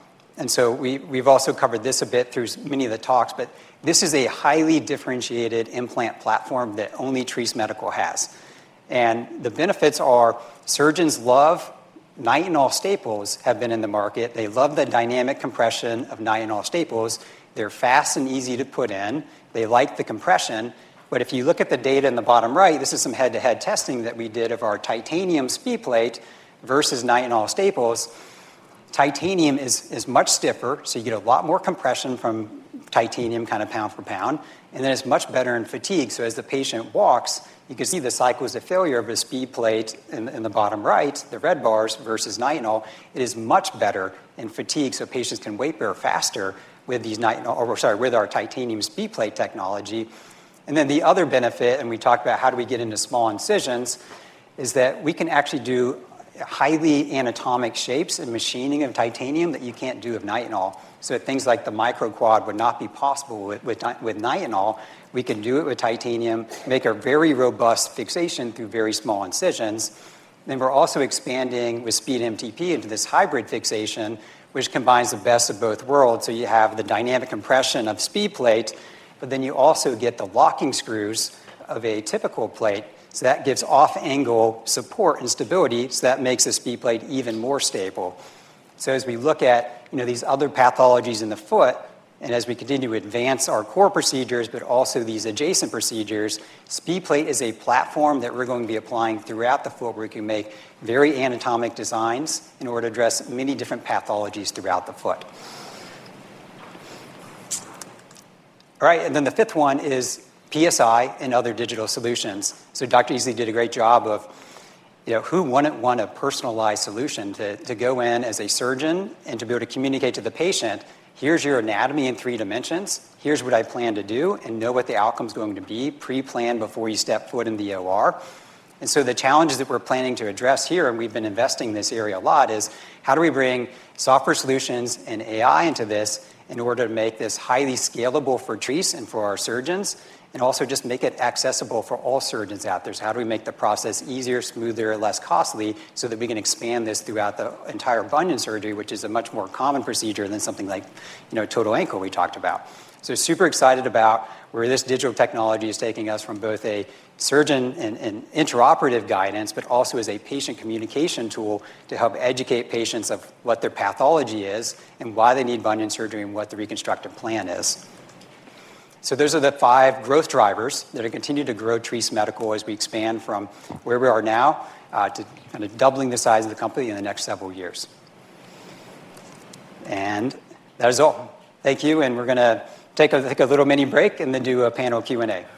We have also covered this a bit through many of the talks, but this is a highly differentiated implant platform that only Treace Medical has. The benefits are surgeons love nylon staples that have been in the market. They love the dynamic compression of nylon staples. They're fast and easy to put in. They like the compression. If you look at the data in the bottom right, this is some head-to-head testing that we did of our titanium SpeedPlate™ versus nylon staples. Titanium is much stiffer, so you get a lot more compression from titanium, kind of pound for pound. It is much better in fatigue. As the patient walks, you can see the cycles of failure of a SpeedPlate™ in the bottom right, the red bars versus nylon. It is much better in fatigue. Patients can weight bear faster with our titanium SpeedPlate™ technology. The other benefit, and we talked about how do we get into small incisions, is that we can actually do highly anatomic shapes and machining of titanium that you can't do with nylon. Things like the micro quad would not be possible with nylon. We can do it with titanium, make a very robust fixation through very small incisions. We are also expanding with SpeedMTP™ into this hybrid fixation, which combines the best of both worlds. You have the dynamic compression of SpeedPlate™, but then you also get the locking screws of a typical plate. That gives off-angle support and stability. That makes the SpeedPlate™ even more stable. As we look at these other pathologies in the foot, and as we continue to advance our core procedures, but also these adjacent procedures, SpeedPlate™ is a platform that we are going to be applying throughout the foot where we can make very anatomic designs in order to address many different pathologies throughout the foot. The fifth one is PSI and other digital solutions. Dr. Easley did a great job of, you know, who wouldn't want a personalized solution to go in as a surgeon and to be able to communicate to the patient, here's your anatomy in three dimensions, here's what I plan to do, and know what the outcome is going to be pre-planned before you step foot in the OR. The challenges that we're planning to address here, and we've been investing in this area a lot, is how do we bring software solutions and AI-driven solutions into this in order to make this highly scalable for Treace and for our surgeons and also just make it accessible for all surgeons out there? How do we make the process easier, smoother, less costly so that we can expand this throughout the entire bunion correction surgery, which is a much more common procedure than something like, you know, total ankle we talked about? I am super excited about where this digital technology is taking us from both a surgeon and intraoperative guidance, but also as a patient communication tool to help educate patients of what their pathology is and why they need bunion surgery and what the reconstructive plan is. Those are the five growth drivers that are going to continue to grow Treace Medical as we expand from where we are now to kind of doubling the size of the company in the next several years. That is all. Thank you. We're going to take a little mini break and then do a panel Q&A.